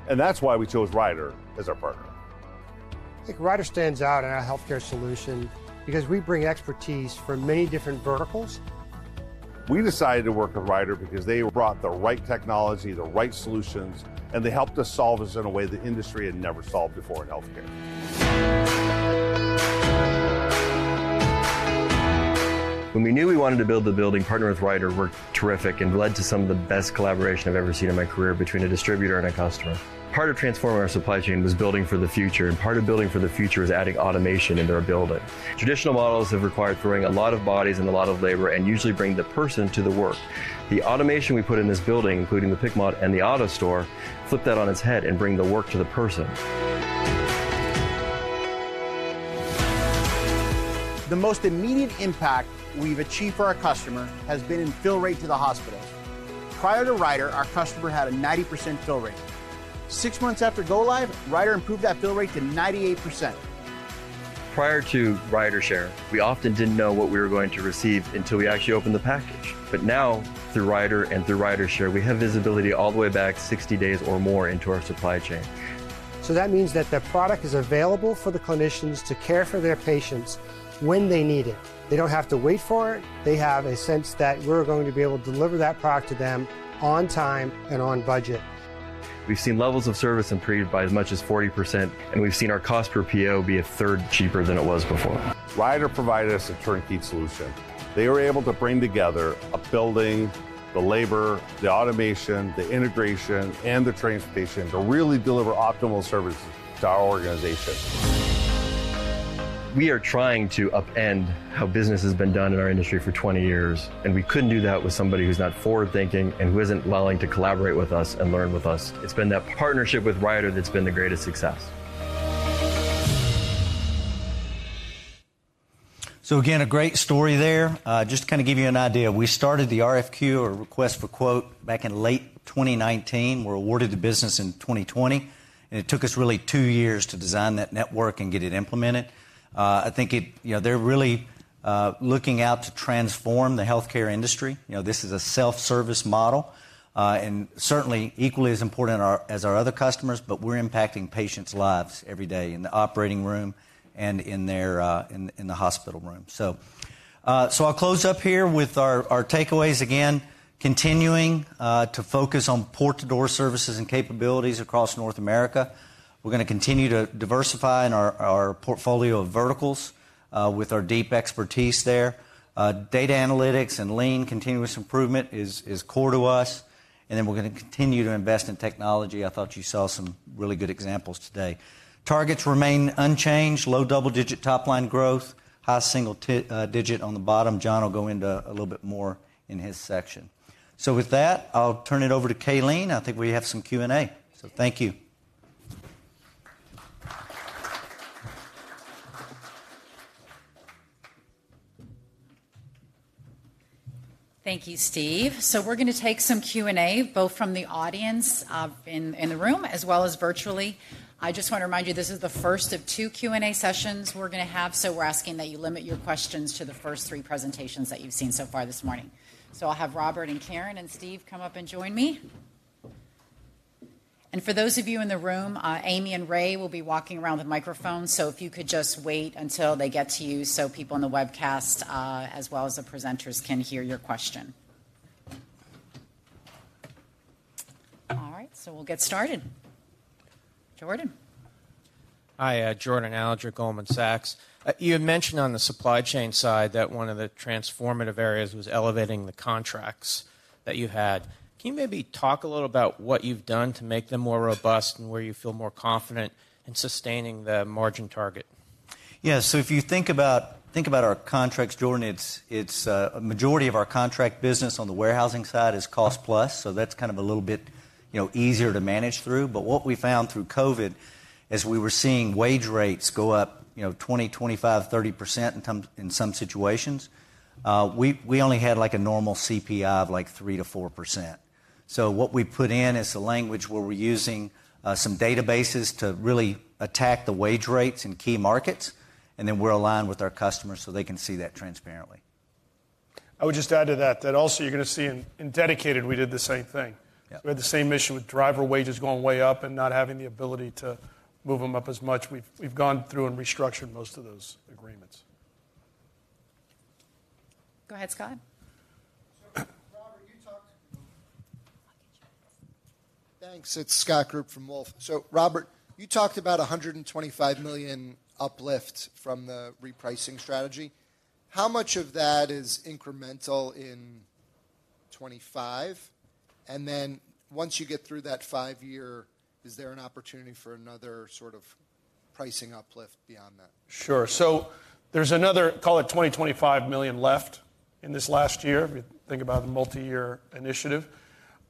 and that's why we chose Ryder as our partner. I think Ryder stands out in our healthcare solution because we bring expertise from many different verticals. We decided to work with Ryder because they brought the right technology, the right solutions, and they helped us solve this in a way the industry had never solved before in healthcare. When we knew we wanted to build the building, partnering with Ryder worked terrific and led to some of the best collaboration I've ever seen in my career between a distributor and a customer. Part of transforming our supply chain was building for the future, and part of building for the future was adding automation into our building. Traditional models have required throwing a lot of bodies and a lot of labor and usually bring the person to the work. The automation we put in this building, including the pick module and the AutoStore, flipped that on its head and bring the work to the person. ...The most immediate impact we've achieved for our customer has been in fill rate to the hospital. Prior to Ryder, our customer had a 90% fill rate. Six months after go-live, Ryder improved that fill rate to 98%. Prior to RyderShare, we often didn't know what we were going to receive until we actually opened the package. But now, through Ryder and through RyderShare, we have visibility all the way back 60 days or more into our supply chain. So that means that the product is available for the clinicians to care for their patients when they need it. They don't have to wait for it. They have a sense that we're going to be able to deliver that product to them on time and on budget. We've seen levels of service improved by as much as 40%, and we've seen our cost per PO be a third cheaper than it was before. Ryder provided us a turnkey solution. They were able to bring together a building, the labor, the automation, the integration, and the transportation to really deliver optimal services to our organization. We are trying to upend how business has been done in our industry for 20 years, and we couldn't do that with somebody who's not forward-thinking and who isn't willing to collaborate with us and learn with us. It's been that partnership with Ryder that's been the greatest success. So again, a great story there. Just to kind of give you an idea, we started the RFQ, or request for quote, back in late 2019. We were awarded the business in 2020, and it took us really two years to design that network and get it implemented. I think it, you know, they're really looking out to transform the healthcare industry. You know, this is a self-service model, and certainly equally as important as our other customers, but we're impacting patients' lives every day in the operating room and in their hospital room. So, so I'll close up here with our takeaways. Again, continuing to focus on Port-to-Door services and capabilities across North America. We're going to continue to diversify in our portfolio of verticals, with our deep expertise there. Data analytics and lean continuous improvement is core to us, and then we're going to continue to invest in technology. I thought you saw some really good examples today. Targets remain unchanged, low double-digit top-line growth, high single-digit on the bottom. John will go into a little bit more in his section. So with that, I'll turn it over to Calene. I think we have some Q&A. So thank you. Thank you, Steve. So we're going to take some Q&A, both from the audience, in the room, as well as virtually. I just want to remind you, this is the first of two Q&A sessions we're going to have, so we're asking that you limit your questions to the first three presentations that you've seen so far this morning. So I'll have Robert, and Karen, and Steve come up and join me. And for those of you in the room, Amy and Ray will be walking around with microphones, so if you could just wait until they get to you, so people on the webcast, as well as the presenters, can hear your question. All right, so we'll get started. Jordan? Hi, Jordan Alliger, Goldman Sachs. You had mentioned on the supply chain side that one of the transformative areas was elevating the contracts that you had. Can you maybe talk a little about what you've done to make them more robust, and where you feel more confident in sustaining the margin target? Yeah, so if you think about, think about our contracts, Jordan, it's, it's, a majority of our contract business on the warehousing side is cost plus, so that's kind of a little bit, you know, easier to manage through. But what we found through COVID, as we were seeing wage rates go up, you know, 20, 25, 30% in some, in some situations, we, we only had, like, a normal CPI of, like, 3%-4%. So what we put in is the language where we're using, some databases to really attack the wage rates in key markets, and then we're aligned with our customers so they can see that transparently. I would just add to that, that also you're going to see in dedicated, we did the same thing. Yeah. We had the same issue with driver wages going way up and not having the ability to move them up as much. We've gone through and restructured most of those agreements. Go ahead, Scott. So Robert, you talked- I'll get you. Thanks. It's Scott Group from Wolfe. So Robert, you talked about a $125 million uplift from the repricing strategy. How much of that is incremental in 2025? And then once you get through that five-year, is there an opportunity for another sort of pricing uplift beyond that? Sure. So there's another, call it $20-$25 million left in this last year, if you think about the multi-year initiative.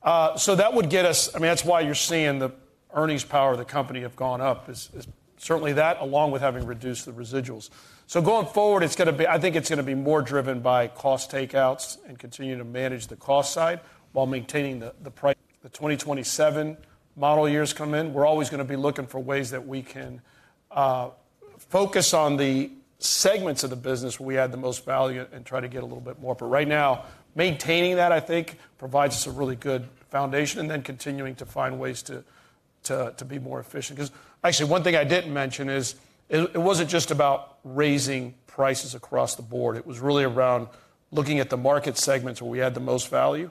So that would get us... I mean, that's why you're seeing the earnings power of the company have gone up. It's, it's certainly that, along with having reduced the residuals. So going forward, it's going to be- I think it's going to be more driven by cost takeouts and continuing to manage the cost side while maintaining the, the price. The 2027 model years come in, we're always going to be looking for ways that we can, focus on the segments of the business where we add the most value and try to get a little bit more. But right now, maintaining that, I think, provides us a really good foundation, and then continuing to find ways to be more efficient. 'Cause, actually, one thing I didn't mention is, it, it wasn't just about raising prices across the board. It was really around looking at the market segments where we add the most value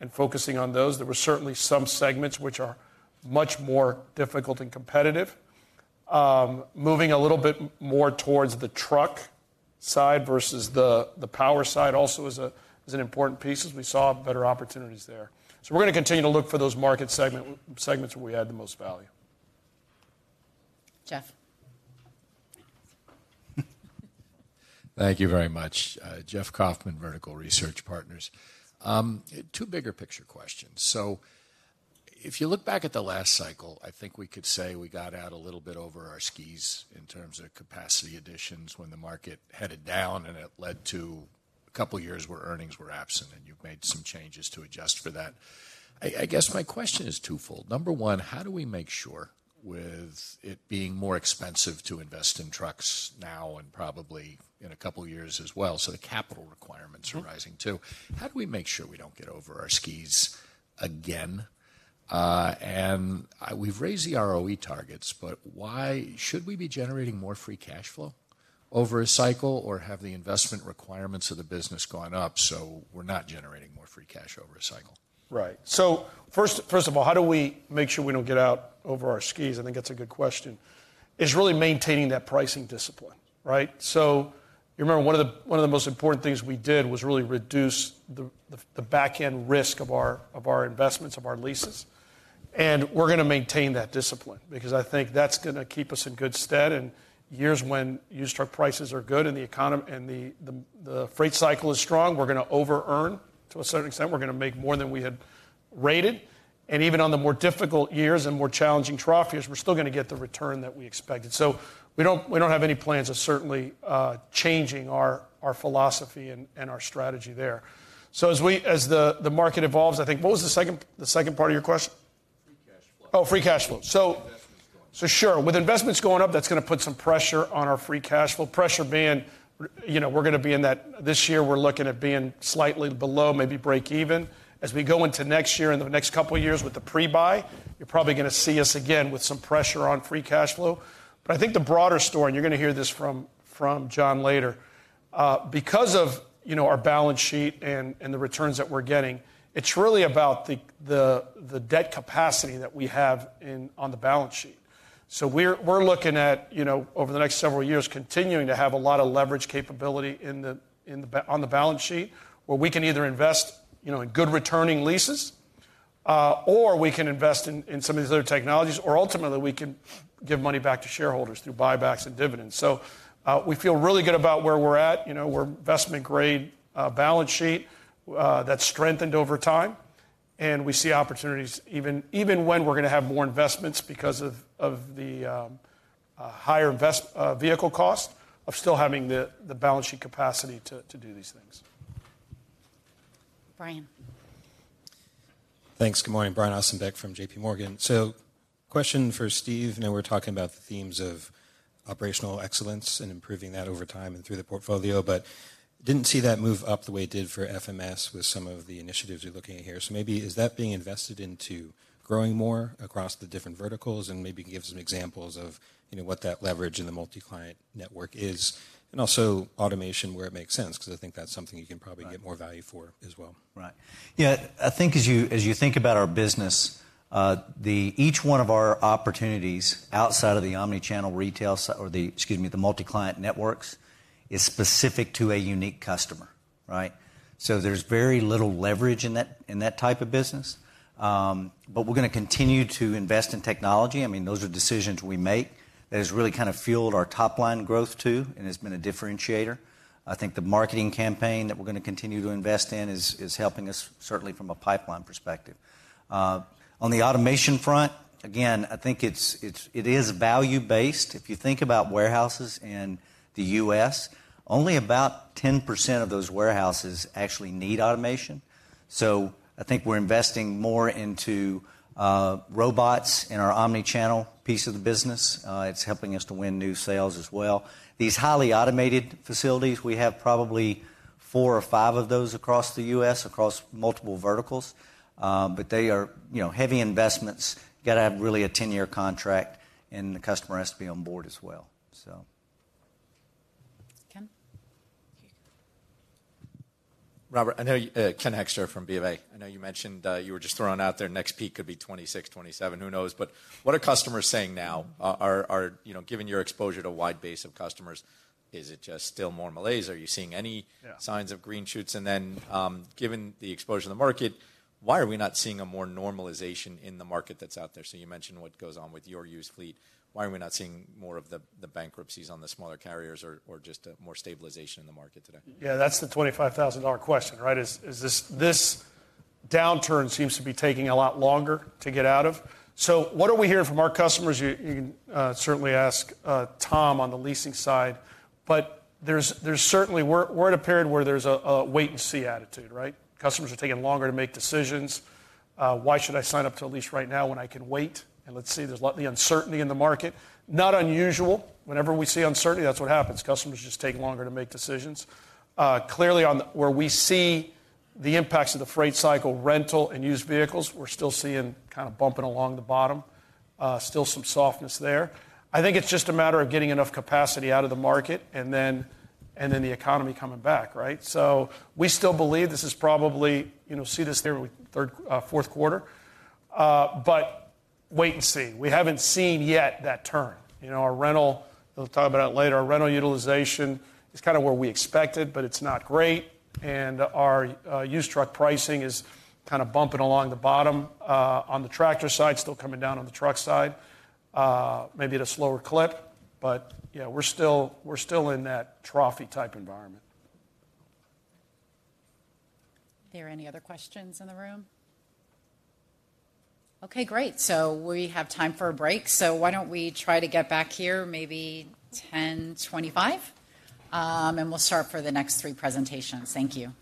and focusing on those. There were certainly some segments which are much more difficult and competitive. Moving a little bit more towards the truck side versus the power side also is an important piece, as we saw better opportunities there. So we're going to continue to look for those market segment, segments where we add the most value. Jeff? Thank you very much. Jeff Kauffman, Vertical Research Partners. Two bigger picture questions. If you look back at the last cycle, I think we could say we got out a little bit over our skis in terms of capacity additions when the market headed down, and it led to a couple of years where earnings were absent, and you've made some changes to adjust for that. I guess my question is twofold. Number one, how do we make sure, with it being more expensive to invest in trucks now and probably in a couple of years as well, so the capital requirements- Mm-hmm are rising, too? How do we make sure we don't get over our skis again? We've raised the ROE targets, but why? Should we be generating more free cash flow over a cycle, or have the investment requirements of the business gone up, so we're not generating more free cash over a cycle? Right. So first of all, how do we make sure we don't get out over our skis? I think that's a good question. It's really maintaining that pricing discipline, right? So you remember, one of the most important things we did was really reduce the back-end risk of our investments, of our leases. And we're going to maintain that discipline because I think that's going to keep us in good stead. And years when used truck prices are good and the freight cycle is strong, we're going to over-earn to a certain extent. We're going to make more than we had rated. And even on the more difficult years and more challenging trough years, we're still going to get the return that we expected. So we don't have any plans of certainly changing our philosophy and our strategy there. So as we as the market evolves, I think... What was the second part of your question? Free cash flow. Oh, free cash flow. Investments going up. So, sure, with investments going up, that's going to put some pressure on our free cash flow. Pressure being, you know, we're going to be in that... This year, we're looking at being slightly below, maybe break even. As we go into next year and the next couple of years with the pre-buy, you're probably going to see us again with some pressure on free cash flow. But I think the broader story, and you're going to hear this from John later, because of, you know, our balance sheet and the returns that we're getting, it's really about the debt capacity that we have on the balance sheet. So we're looking at, you know, over the next several years, continuing to have a lot of leverage capability on the balance sheet, where we can either invest, you know, in good returning leases, or we can invest in some of these other technologies, or ultimately, we can give money back to shareholders through buybacks and dividends. We feel really good about where we're at. You know, we're investment-grade balance sheet that's strengthened over time, and we see opportunities even when we're going to have more investments because of the higher vehicle cost of still having the balance sheet capacity to do these things. Brian? Thanks. Good morning, Brian Ossenbeck from JP Morgan. Question for Steve. I know we're talking about the themes of operational excellence and improving that over time and through the portfolio, but didn't see that move up the way it did for FMS with some of the initiatives you're looking at here. Maybe, is that being invested into growing more across the different verticals? And maybe give some examples of, you know, what that leverage in the multi-client network is, and also automation where it makes sense, because I think that's something you can probably- Right... get more value for as well. Right. Yeah, I think as you, as you think about our business, each one of our opportunities outside of the omnichannel retail, excuse me, the multi-client networks, is specific to a unique customer, right? So there's very little leverage in that, in that type of business. But we're going to continue to invest in technology. I mean, those are decisions we make. That has really kind of fueled our top-line growth, too, and has been a differentiator. I think the marketing campaign that we're going to continue to invest in is helping us, certainly from a pipeline perspective. On the automation front, again, I think it's value-based. If you think about warehouses in the U.S., only about 10% of those warehouses actually need automation. So I think we're investing more into robots in our omni-channel piece of the business. It's helping us to win new sales as well. These highly automated facilities, we have probably four or five of those across the U.S., across multiple verticals. But they are, you know, heavy investments, got to have really a ten-year contract, and the customer has to be on board as well. So... Ken? Robert, I know Ken Hoexter from B of A. I know you mentioned you were just throwing out there, next peak could be 2026, 2027. Who knows? But what are customers saying now? Are you... You know, given your exposure to a wide base of customers, is it just still more malaise? Are you seeing any- Yeah -signs of green shoots? And then, given the exposure to the market, why are we not seeing a more normalization in the market that's out there? So you mentioned what goes on with your used fleet. Why are we not seeing more of the bankruptcies on the smaller carriers or just more stabilization in the market today? Yeah, that's the $25,000 question, right? Is this downturn seems to be taking a lot longer to get out of. So what are we hearing from our customers? You can certainly ask Tom on the leasing side, but there's certainly. We're at a period where there's a wait-and-see attitude, right? Customers are taking longer to make decisions. "Why should I sign up to a lease right now when I can wait? And let's see." There's a lot of uncertainty in the market. Not unusual. Whenever we see uncertainty, that's what happens. Customers just take longer to make decisions. Clearly, on the where we see the impacts of the freight cycle, rental and used vehicles, we're still seeing kind of bumping along the bottom, still some softness there. I think it's just a matter of getting enough capacity out of the market, and then, and then the economy coming back, right? So we still believe this is probably, you know, see this theory with third, fourth quarter, but wait and see. We haven't seen yet that turn. You know, our rental, we'll talk about it later, our rental utilization is kind of where we expected, but it's not great, and our used truck pricing is kind of bumping along the bottom. On the tractor side, still coming down on the truck side, maybe at a slower clip, but, yeah, we're still, we're still in that troughy type environment.... Are there any other questions in the room? Okay, great! So we have time for a break, so why don't we try to get back here, maybe 10:25 A.M., and we'll start for the next three presentations. Thank you.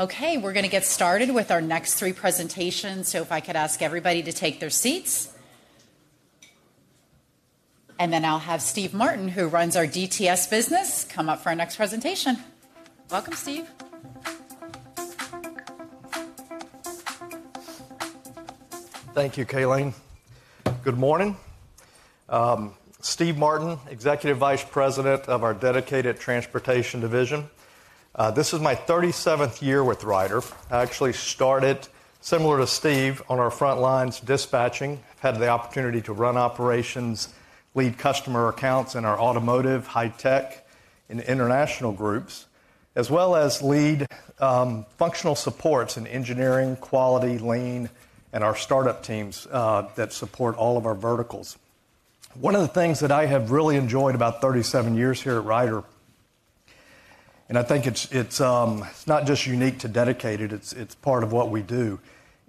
Okay, we're going to get started with our next three presentations, so if I could ask everybody to take their seats. Then I'll have Steve Martin, who runs our DTS business, come up for our next presentation. Welcome, Steve. Thank you, Calene. Good morning. Steve Martin, Executive Vice President of our Dedicated Transportation Division. This is my 37th year with Ryder. I actually started similar to Steve on our front lines, dispatching. I've had the opportunity to run operations, lead customer accounts in our automotive, high tech, and international groups, as well as lead functional supports in engineering, quality, lean, and our startup teams that support all of our verticals. One of the things that I have really enjoyed about 37 years here at Ryder, and I think it's not just unique to Dedicated, it's part of what we do,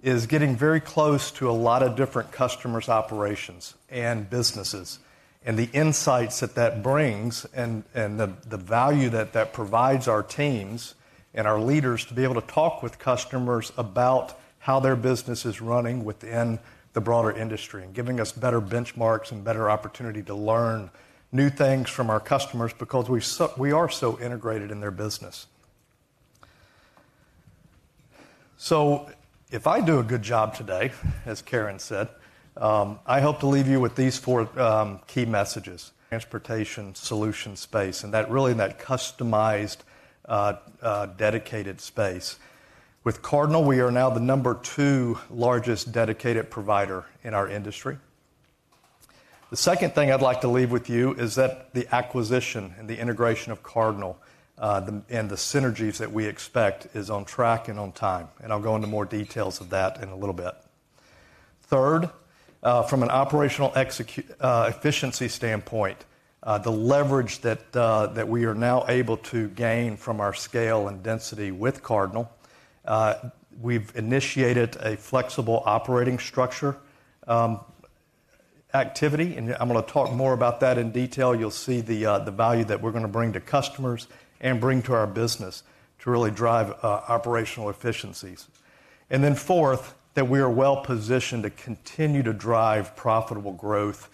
is getting very close to a lot of different customers' operations and businesses, and the insights that that brings, and the value that that provides our teams and our leaders to be able to talk with customers about how their business is running within the broader industry, and giving us better benchmarks and better opportunity to learn new things from our customers because we are so integrated in their business. So if I do a good job today, as Karen said, I hope to leave you with these four key messages: transportation solution space, and that really, that customized dedicated space. With Cardinal, we are now the number two largest dedicated provider in our industry. The second thing I'd like to leave with you is that the acquisition and the integration of Cardinal, and the synergies that we expect is on track and on time, and I'll go into more details of that in a little bit. Third, from an operational efficiency standpoint, the leverage that we are now able to gain from our scale and density with Cardinal, we've initiated a flexible operating structure, activity, and I'm going to talk more about that in detail. You'll see the value that we're going to bring to customers, and bring to our business to really drive operational efficiencies. And then fourth, that we are well-positioned to continue to drive profitable growth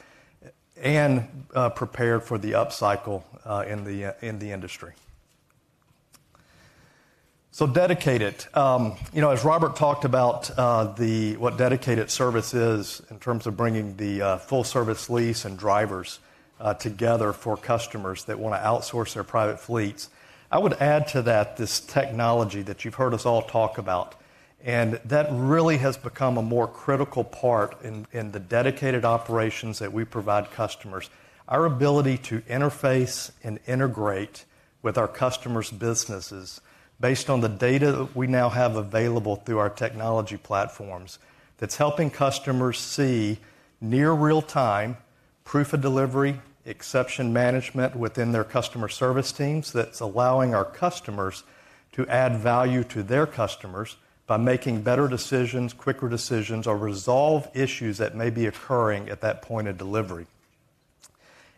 and, prepare for the upcycle, in the, in the industry. So dedicated. You know, as Robert talked about, what dedicated service is in terms of bringing the, full-service lease and drivers, together for customers that want to outsource their private fleets, I would add to that this technology that you've heard us all talk about, and that really has become a more critical part in, in the dedicated operations that we provide customers. Our ability to interface and integrate with our customers' businesses, based on the data that we now have available through our technology platforms, that's helping customers see near real time proof of delivery, exception management within their customer service teams, that's allowing our customers to add value to their customers by making better decisions, quicker decisions, or resolve issues that may be occurring at that point of delivery,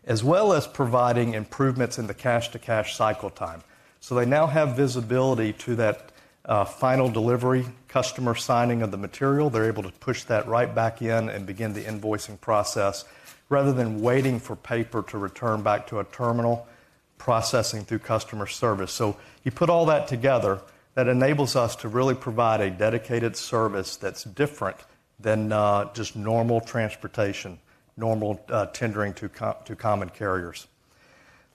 as well as providing improvements in the cash-to-cash cycle time. So they now have visibility to that, final delivery, customer signing of the material. They're able to push that right back in and begin the invoicing process, rather than waiting for paper to return back to a terminal, processing through customer service. So you put all that together, that enables us to really provide a dedicated service that's different than just normal transportation, normal tendering to common carriers.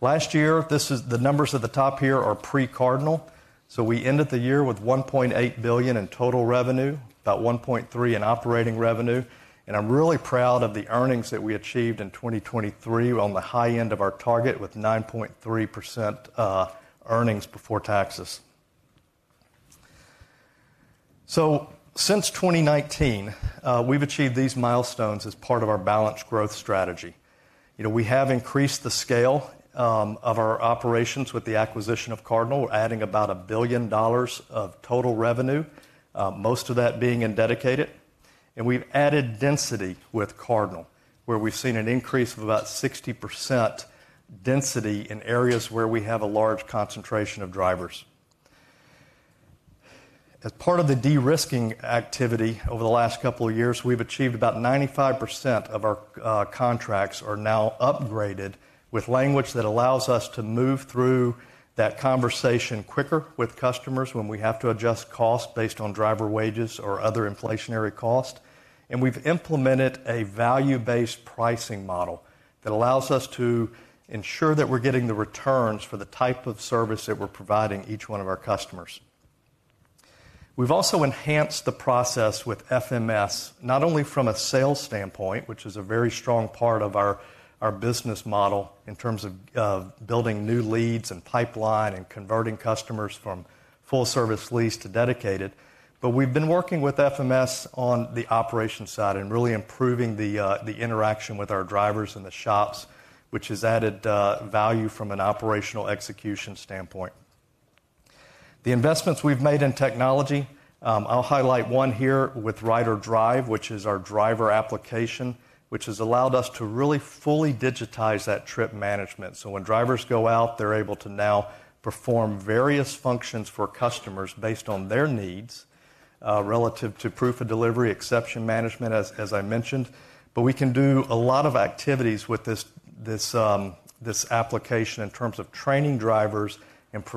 Last year, this is the numbers at the top here are pre-Cardinal, so we ended the year with $1.8 billion in total revenue, about $1.3 billion in operating revenue, and I'm really proud of the earnings that we achieved in 2023. We're on the high end of our target, with 9.3% earnings before taxes. So since 2019, we've achieved these milestones as part of our balanced growth strategy. You know, we have increased the scale of our operations with the acquisition of Cardinal. We're adding about $1 billion of total revenue, most of that being in Dedicated. We've added density with Cardinal, where we've seen an increase of about 60% density in areas where we have a large concentration of drivers. As part of the de-risking activity over the last couple of years, we've achieved about 95% of our contracts are now upgraded with language that allows us to move through that conversation quicker with customers when we have to adjust costs based on driver wages or other inflationary costs, and we've implemented a value-based pricing model that allows us to ensure that we're getting the returns for the type of service that we're providing each one of our customers. We've also enhanced the process with FMS, not only from a sales standpoint, which is a very strong part of our business model in terms of building new leads and pipeline and converting customers from full service lease to dedicated, but we've been working with FMS on the operations side and really improving the interaction with our drivers in the shops, which has added value from an operational execution standpoint. The investments we've made in technology, I'll highlight one here with RyderDrive, which is our driver application, which has allowed us to really fully digitize that trip management. So when drivers go out, they're able to now perform various functions for customers based on their needs relative to proof of delivery, exception management, as I mentioned, but we can do a lot of activities with this application in terms of training drivers and providing-